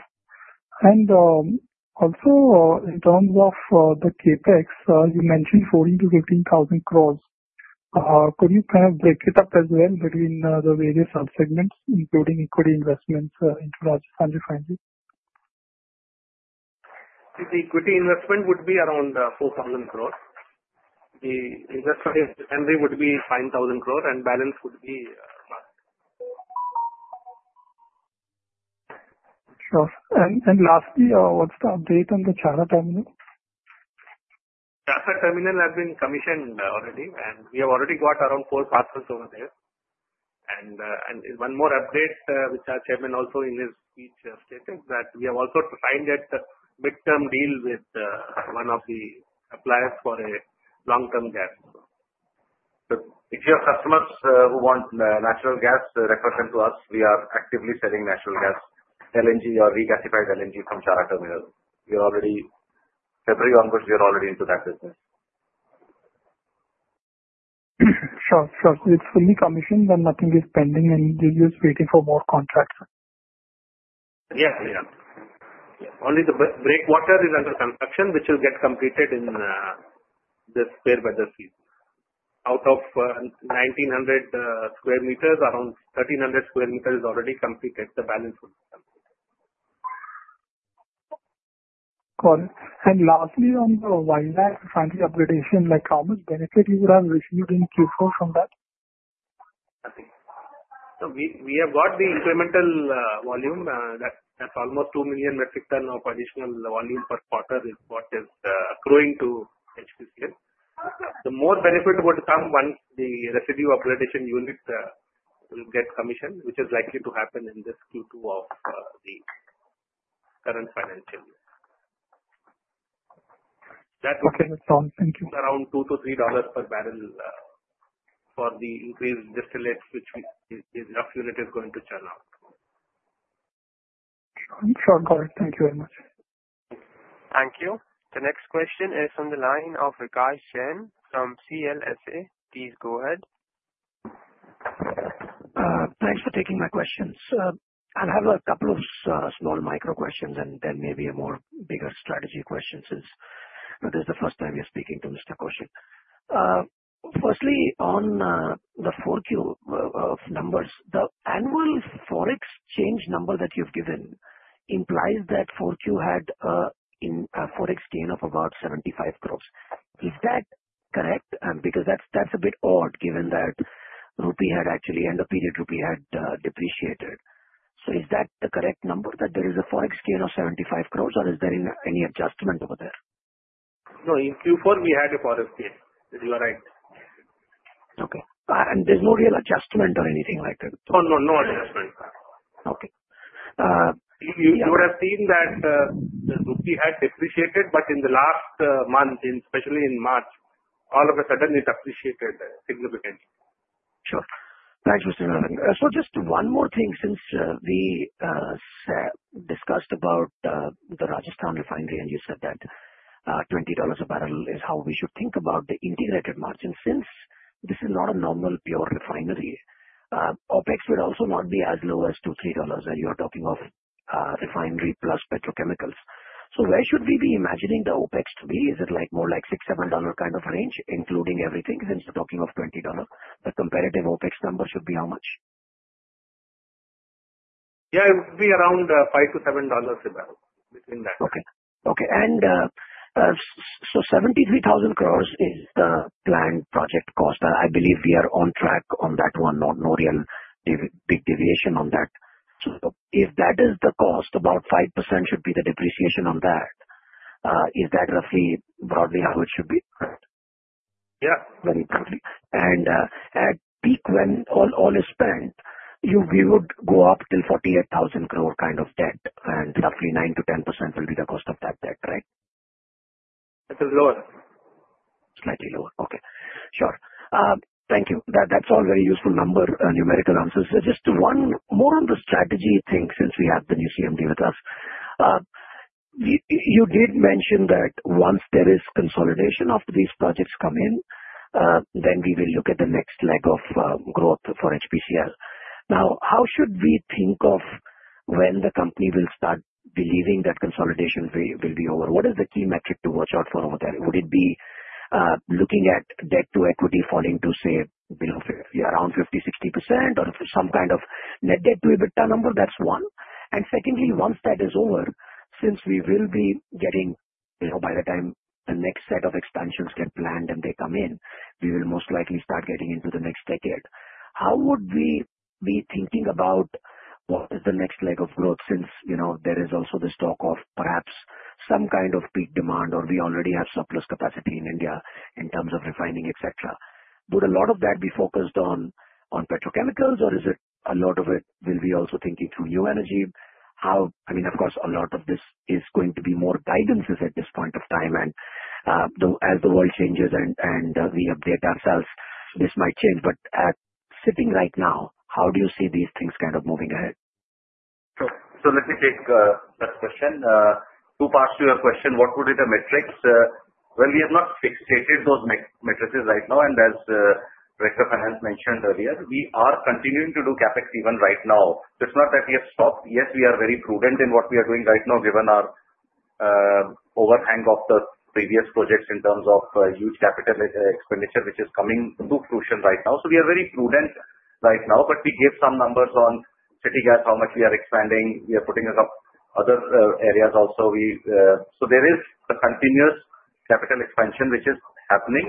S12: Sure. Also, in terms of the CapEx, you mentioned 14,000-15,000 crore. Could you kind of break it up as well between the various subsegments, including equity investments into large refinery?
S3: The equity investment would be around 4,000 crore. The investor in refinery would be 5,000 crore, and balance would be plus.
S12: Sure. Lastly, what's the update on the Chhara terminal?
S3: Charra terminal has been commissioned already, and we have already got around four parcels over there. One more update, which our Chairman also in his speech stated, is that we have also signed a mid-term deal with one of the clients for a long-term gas. If you have customers who want natural gas, refer them to us. We are actively selling natural gas, LNG, or regasified LNG from Charra terminals. We are already, February onwards, we are already into that business.
S12: Sure. Sure. So it's fully commissioned and nothing is pending, and you're just waiting for more contracts?
S3: Yeah. Yeah. Only the breakwater is under construction, which will get completed in this spare weather season. Out of 1,900 sq m, around 1,300 sq m is already completed. The balance will be completed.
S12: Got it. And lastly, on the Visakh refinery upgradation, how much benefit you would have received in Q4 from that?
S3: Nothing. We have got the incremental volume. That's almost 2 million metric tons of additional volume per quarter is what is accruing to HPCL. The more benefit would come once the residue upgradation unit will get commissioned, which is likely to happen in this Q2 of the current financial year. That would be.
S12: Okay. That's all. Thank you.
S3: Around $2-$3 per barrel for the increased distillates, which the Naphtha unit is going to churn out.
S12: Sure. Got it. Thank you very much.
S1: Thank you. The next question is from the line of Rikae Chen from CLSA. Please go ahead.
S13: Thanks for taking my questions. I'll have a couple of small micro questions and then maybe a more bigger strategy question since this is the first time you're speaking to Mr. Kaushal. Firstly, on the Q4 numbers, the annual forex change number that you've given implies that Q4 had a forex gain of about 75 crore. Is that correct? Because that's a bit odd given that Rupee had actually end of period, Rupee had depreciated. Is that the correct number, that there is a forex gain of 75 crore, or is there any adjustment over there?
S3: No. In Q4, we had a forex gain. You are right.
S13: Okay. There is no real adjustment or anything like that?
S3: Oh, no. No adjustment.
S13: Okay.
S3: You would have seen that rupee had depreciated, but in the last month, especially in March, all of a sudden, it appreciated significantly.
S13: Sure. Thanks, Mr. Mularge. Just one more thing. Since we discussed about the Rajasthan refinery and you said that $20 a barrel is how we should think about the integrated margin, since this is not a normal pure refinery, OpEx would also not be as low as $2-$3 that you are talking of refinery plus petrochemicals. Where should we be imagining the OpEx to be? Is it more like $6-$7 kind of range, including everything, since we're talking of $20? The comparative OpEx number should be how much?
S3: Yeah. It would be around $5-$7 a barrel, between that.
S13: Okay. Okay. And 73,000 crore is the planned project cost. I believe we are on track on that one. No real big deviation on that. If that is the cost, about 5% should be the depreciation on that. Is that roughly broadly how it should be?
S3: Yeah.
S13: Very broadly. At peak, when all is spent, we would go up till 48,000 crore kind of debt, and roughly 9-10% will be the cost of that debt, right?
S3: That is lower.
S13: Slightly lower. Okay. Sure. Thank you. That's all very useful numbers, numerical answers. Just one more on the strategy thing, since we have the new CMD with us. You did mention that once there is consolidation, after these projects come in, then we will look at the next leg of growth for HPCL. Now, how should we think of when the company will start believing that consolidation will be over? What is the key metric to watch out for over there? Would it be looking at debt to equity falling to, say, around 50-60%, or some kind of net debt to EBITDA number? That's one. Secondly, once that is over, since we will be getting by the time the next set of expansions get planned and they come in, we will most likely start getting into the next decade. How would we be thinking about what is the next leg of growth, since there is also the talk of perhaps some kind of peak demand, or we already have surplus capacity in India in terms of refining, etc.? Would a lot of that be focused on petrochemicals, or is it a lot of it will be also thinking through new energy? I mean, of course, a lot of this is going to be more guidances at this point of time. As the world changes and we update ourselves, this might change. Sitting right now, how do you see these things kind of moving ahead?
S3: Sure. Let me take that question. To pass to your question, what would be the metrics? We have not fixated those metrics right now. As Director of Finance mentioned earlier, we are continuing to do CapEx even right now. It is not that we have stopped. Yes, we are very prudent in what we are doing right now, given our overhang of the previous projects in terms of huge capital expenditure, which is coming through crucial right now. We are very prudent right now, but we gave some numbers on City Gas, how much we are expanding. We are putting up other areas also. There is the continuous capital expansion, which is happening,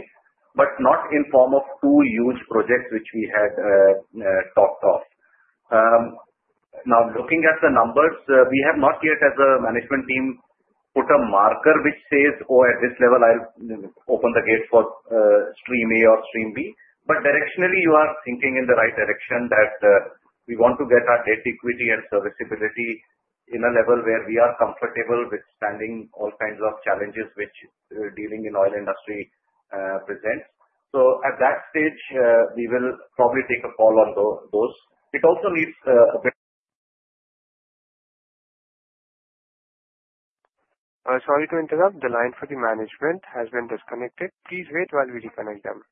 S3: but not in form of two huge projects which we had talked of. Now, looking at the numbers, we have not yet, as a management team, put a marker which says, "Oh, at this level, I'll open the gate for stream A or stream B." Directionally, you are thinking in the right direction that we want to get our debt equity and serviceability in a level where we are comfortable with standing all kinds of challenges which dealing in oil industry presents. At that stage, we will probably take a call on those. It also needs a bit.
S1: Sorry to interrupt. The line for the management has been disconnected. Please wait while we reconnect them.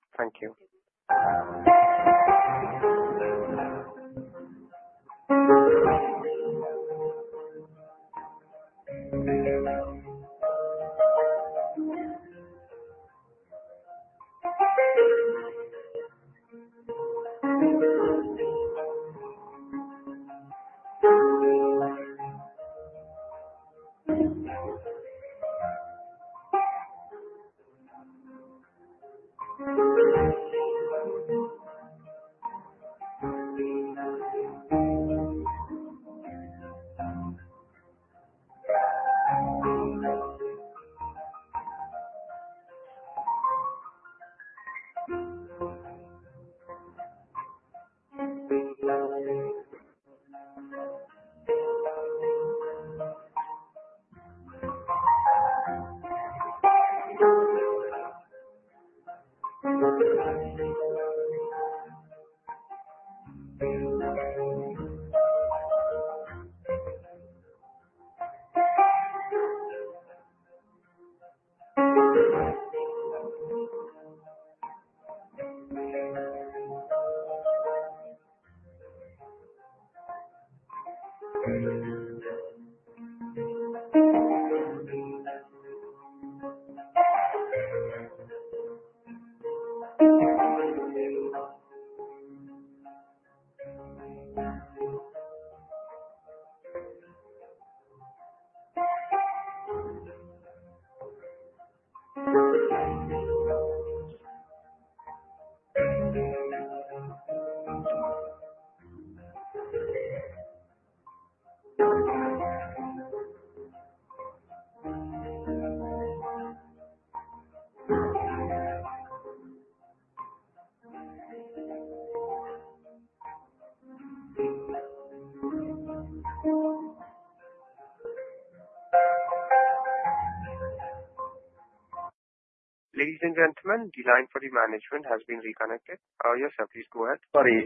S1: Ladies and gentlemen, the line for the management has been reconnected. Yes, sir. Please go ahead.
S3: Sorry.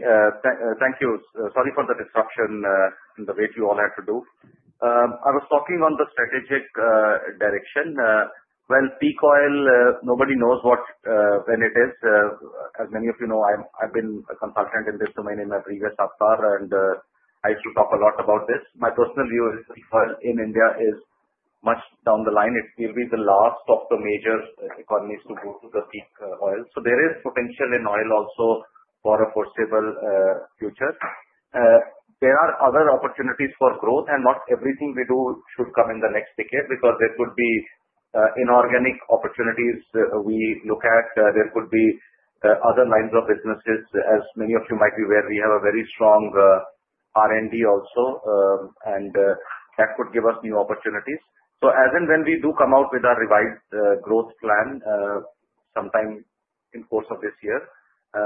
S3: Thank you. Sorry for the disruption and the wait you all had to do. I was talking on the strategic direction. Peak oil, nobody knows when it is. As many of you know, I've been a consultant in this domain in my previous avatar, and I used to talk a lot about this. My personal view is peak oil in India is much down the line. It will be the last of the major economies to go to the peak oil. There is potential in oil also for a foreseeable future. There are other opportunities for growth, and not everything we do should come in the next decade because there could be inorganic opportunities we look at. There could be other lines of businesses, as many of you might be aware. We have a very strong R&D also, and that could give us new opportunities. As and when we do come out with our revised growth plan, sometime in the course of this year,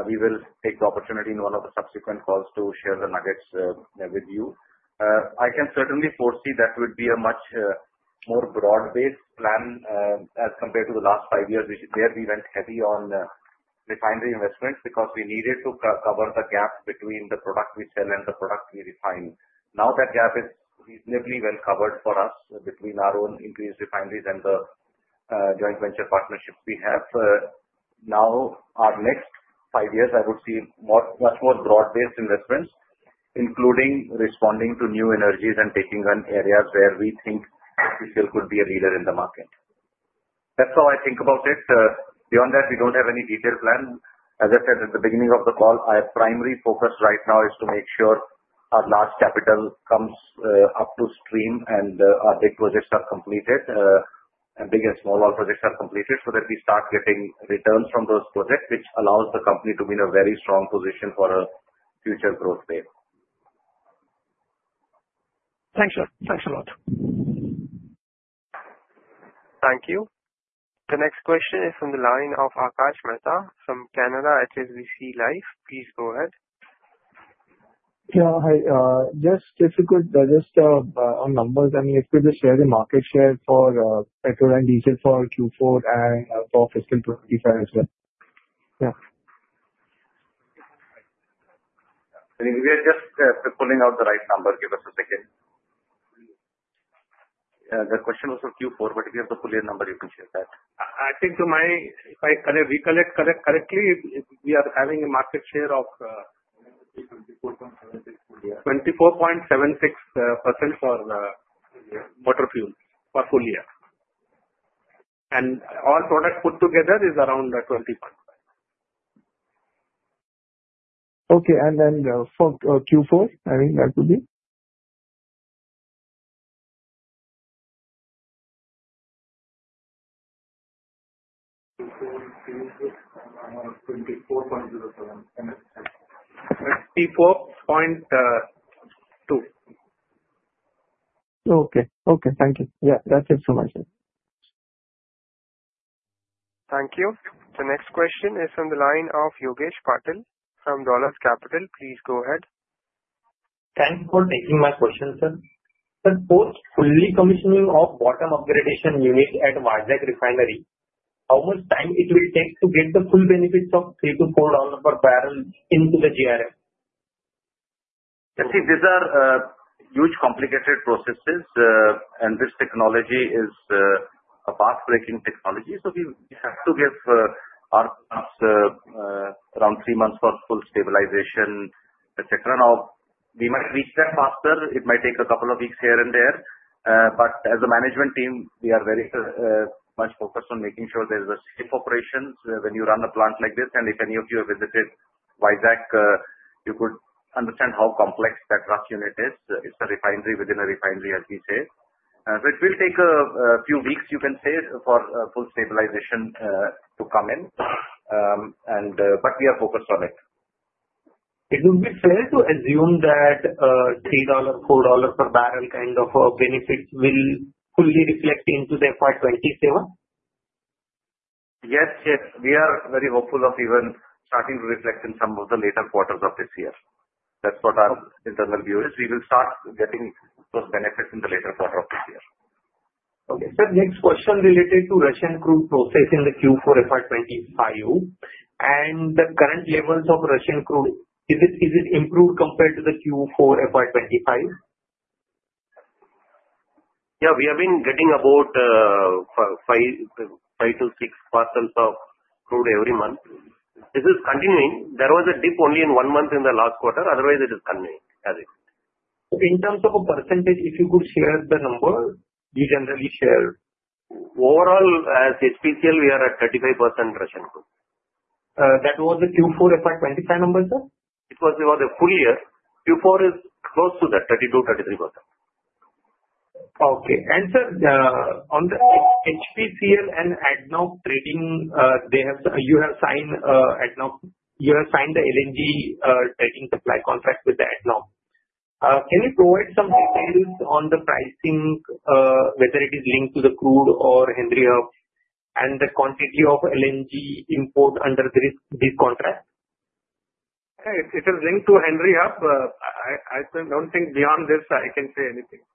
S3: we will take the opportunity in one of the subsequent calls to share the nuggets with you. I can certainly foresee that would be a much more broad-based plan as compared to the last five years, where we went heavy on refinery investments because we needed to cover the gap between the product we sell and the product we refine. Now that gap is reasonably well covered for us between our own increased refineries and the joint venture partnerships we have. Now, our next five years, I would see much more broad-based investments, including responding to new energies and taking on areas where we think HPCL could be a leader in the market. That is how I think about it. Beyond that, we do not have any detailed plan. As I said at the beginning of the call, our primary focus right now is to make sure our large capital comes up to stream and our big projects are completed, and big and small oil projects are completed so that we start getting returns from those projects, which allows the company to be in a very strong position for a future growth wave.
S13: Thanks, sir. Thanks a lot.
S1: Thank you. The next question is from the line of Akash Mehta from Canara HSBC Life. Please go ahead.
S14: Yeah. Hi. Just if you could just on numbers, I mean, if we just share the market share for petrol and diesel for Q4 and for fiscal 2025 as well. Yeah.
S3: We are just pulling out the right number. Give us a second. The question was for Q4, but we have the full year number. You can share that. I think to my, if I recollect correctly, we are having a market share of 24.76% for motor fuel for full year. All products put together is around 20.5%.
S14: Okay. And then for Q4, I mean, that would be?
S3: 24.07. P4.2.
S14: Okay. Okay. Thank you. Yeah. That's it from my side.
S1: Thank you. The next question is from the line of Yogesh Patil from Dollars Capital. Please go ahead.
S15: Thanks for taking my question, sir. Sir, post fully commissioning of bottom upgradation unit at Visakh Refinery, how much time it will take to get the full benefits of $3-$4 per barrel into the GRM?
S3: See, these are huge, complicated processes, and this technology is a path-breaking technology. We have to give our clients around three months for full stabilization, etc. Now, we might reach that faster. It might take a couple of weeks here and there. As a management team, we are very much focused on making sure there is a safe operation when you run a plant like this. If any of you have visited Visakh, you could understand how complex that truck unit is. It is a refinery within a refinery, as we say. It will take a few weeks, you can say, for full stabilization to come in. We are focused on it.
S15: It would be fair to assume that $3-$4 per barrel kind of benefits will fully reflect into the FY27?
S3: Yes. Yes. We are very hopeful of even starting to reflect in some of the later quarters of this year. That is what our internal view is. We will start getting those benefits in the later quarter of this year.
S15: Okay. Sir, next question related to Russian crude process in the Q4 FY25. Is the current levels of Russian crude, is it improved compared to the Q4 FY25?
S3: Yeah. We have been getting about five to six parcels of crude every month. This is continuing. There was a dip only in one month in the last quarter. Otherwise, it is continuing as is.
S15: In terms of a %, if you could share the number, you generally share.
S3: Overall, as HPCL, we are at 35% Russian crude.
S15: That was the Q4 FY25 number, sir?
S3: It was the full year. Q4 is close to that, 32-33%.
S15: Okay. Sir, on the HPCL and ADNOC trading, you have signed the LNG trading supply contract with ADNOC. Can you provide some details on the pricing, whether it is linked to the crude or Henry Hub, and the quantity of LNG import under this contract?
S3: It is linked to Henry Hub. I don't think beyond this, I can say anything.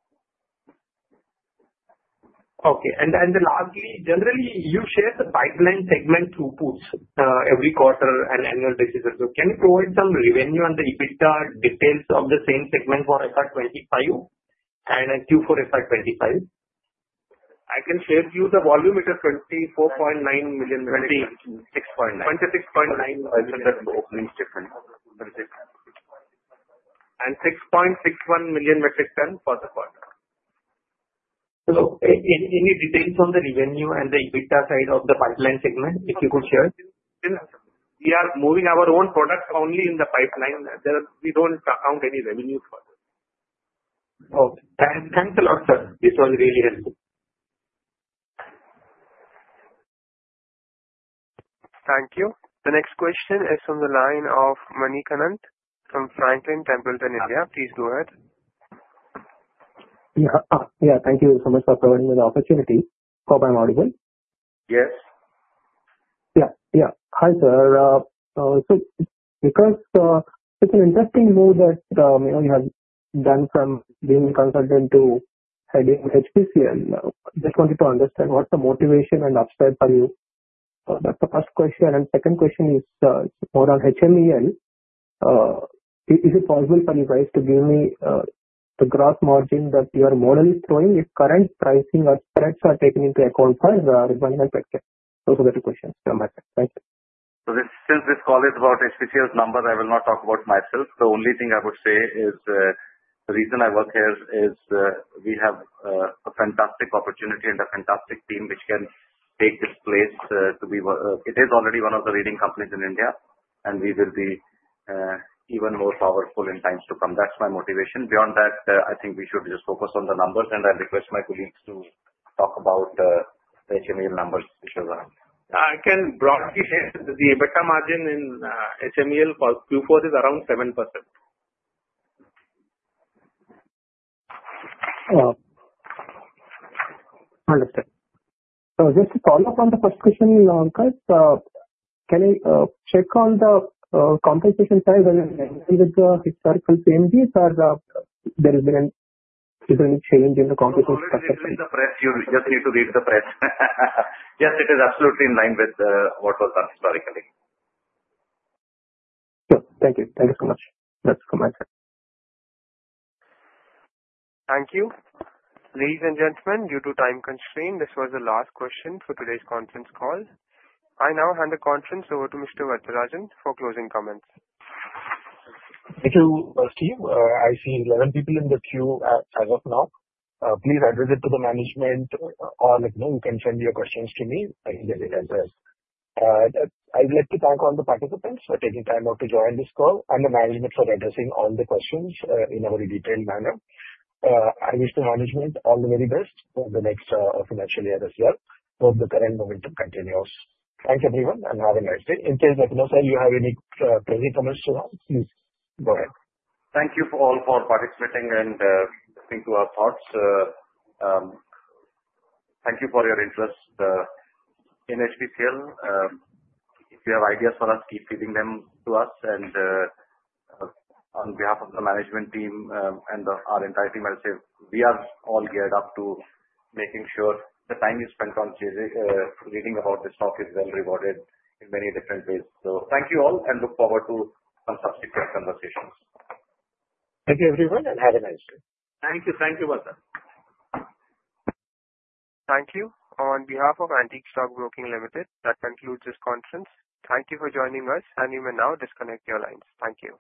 S15: Okay. Lastly, generally, you share the pipeline segment throughputs every quarter and annual decisions. Can you provide some revenue and the EBITDA details of the same segment for FY25 and Q4 FY25?
S3: I can share with you the volume. It is 24.9 million metric tons.
S15: 26.9.
S3: 26.9 million metric tons for opening stage. 6.61 million metric tons for the quarter.
S15: Any details on the revenue and the EBITDA side of the pipeline segment, if you could share?
S3: We are moving our own products only in the pipeline. We don't account any revenue for this.
S15: Okay. Thanks a lot, sir. This was really helpful.
S1: Thank you. The next question is from the line of Maneek Anand from Franklin Templeton, India. Please go ahead.
S16: Yeah. Yeah. Thank you so much for providing me the opportunity. Copper and Audible.
S3: Yes.
S16: Yeah. Yeah. Hi, sir. Because it's an interesting move that you have done from being a consultant to heading HPCL, I just wanted to understand what's the motivation and upside for you. That's the first question. The second question is more on HMEL. Is it possible for you guys to give me the gross margin that your model is throwing if current pricing or spreads are taken into account for the revenue and sector? Those are the two questions from my side. Thank you.
S3: Since this call is about HPCL's numbers, I will not talk about myself. The only thing I would say is the reason I work here is we have a fantastic opportunity and a fantastic team which can take this place to be it is already one of the leading companies in India, and we will be even more powerful in times to come. That's my motivation. Beyond that, I think we should just focus on the numbers, and I'll request my colleagues to talk about the HMEL numbers which are around. I can broadly say the EBITDA margin in HMEL for Q4 is around 7%.
S16: Understood. Just to follow up on the first question, Aakash, can I check on the compensation size and with the historical same deals? Or has there been any change in the compensation structure?
S3: Read the press. You just need to read the press. Yes, it is absolutely in line with what was done historically.
S16: Sure. Thank you. Thank you so much. That's from my side.
S1: Thank you. Ladies and gentlemen, due to time constraint, this was the last question for today's conference call. I now hand the conference over to Mr. Vethirajan for closing comments.
S2: Thank you, Steve. I see 11 people in the queue as of now. Please address it to the management, or you can send your questions to me. I can get it addressed. I would like to thank all the participants for taking time out to join this call and the management for addressing all the questions in a very detailed manner. I wish the management all the very best for the next financial year as well. Hope the current momentum continues. Thank you, everyone, and have a nice day. In case, sir, you have any closing comments to add, please go ahead.
S3: Thank you all for participating and listening to our thoughts. Thank you for your interest. In HPCL, if you have ideas for us, keep feeding them to us. On behalf of the management team and our entire team, I'll say we are all geared up to making sure the time you spend on reading about this talk is well rewarded in many different ways. Thank you all, and look forward to some subsequent conversations. Thank you, everyone, and have a nice day.
S1: Thank you. Thank you very much, sir.
S2: Thank you. On behalf of Antique Stock Broking Limited, that concludes this conference. Thank you for joining us, and you may now disconnect your lines. Thank you.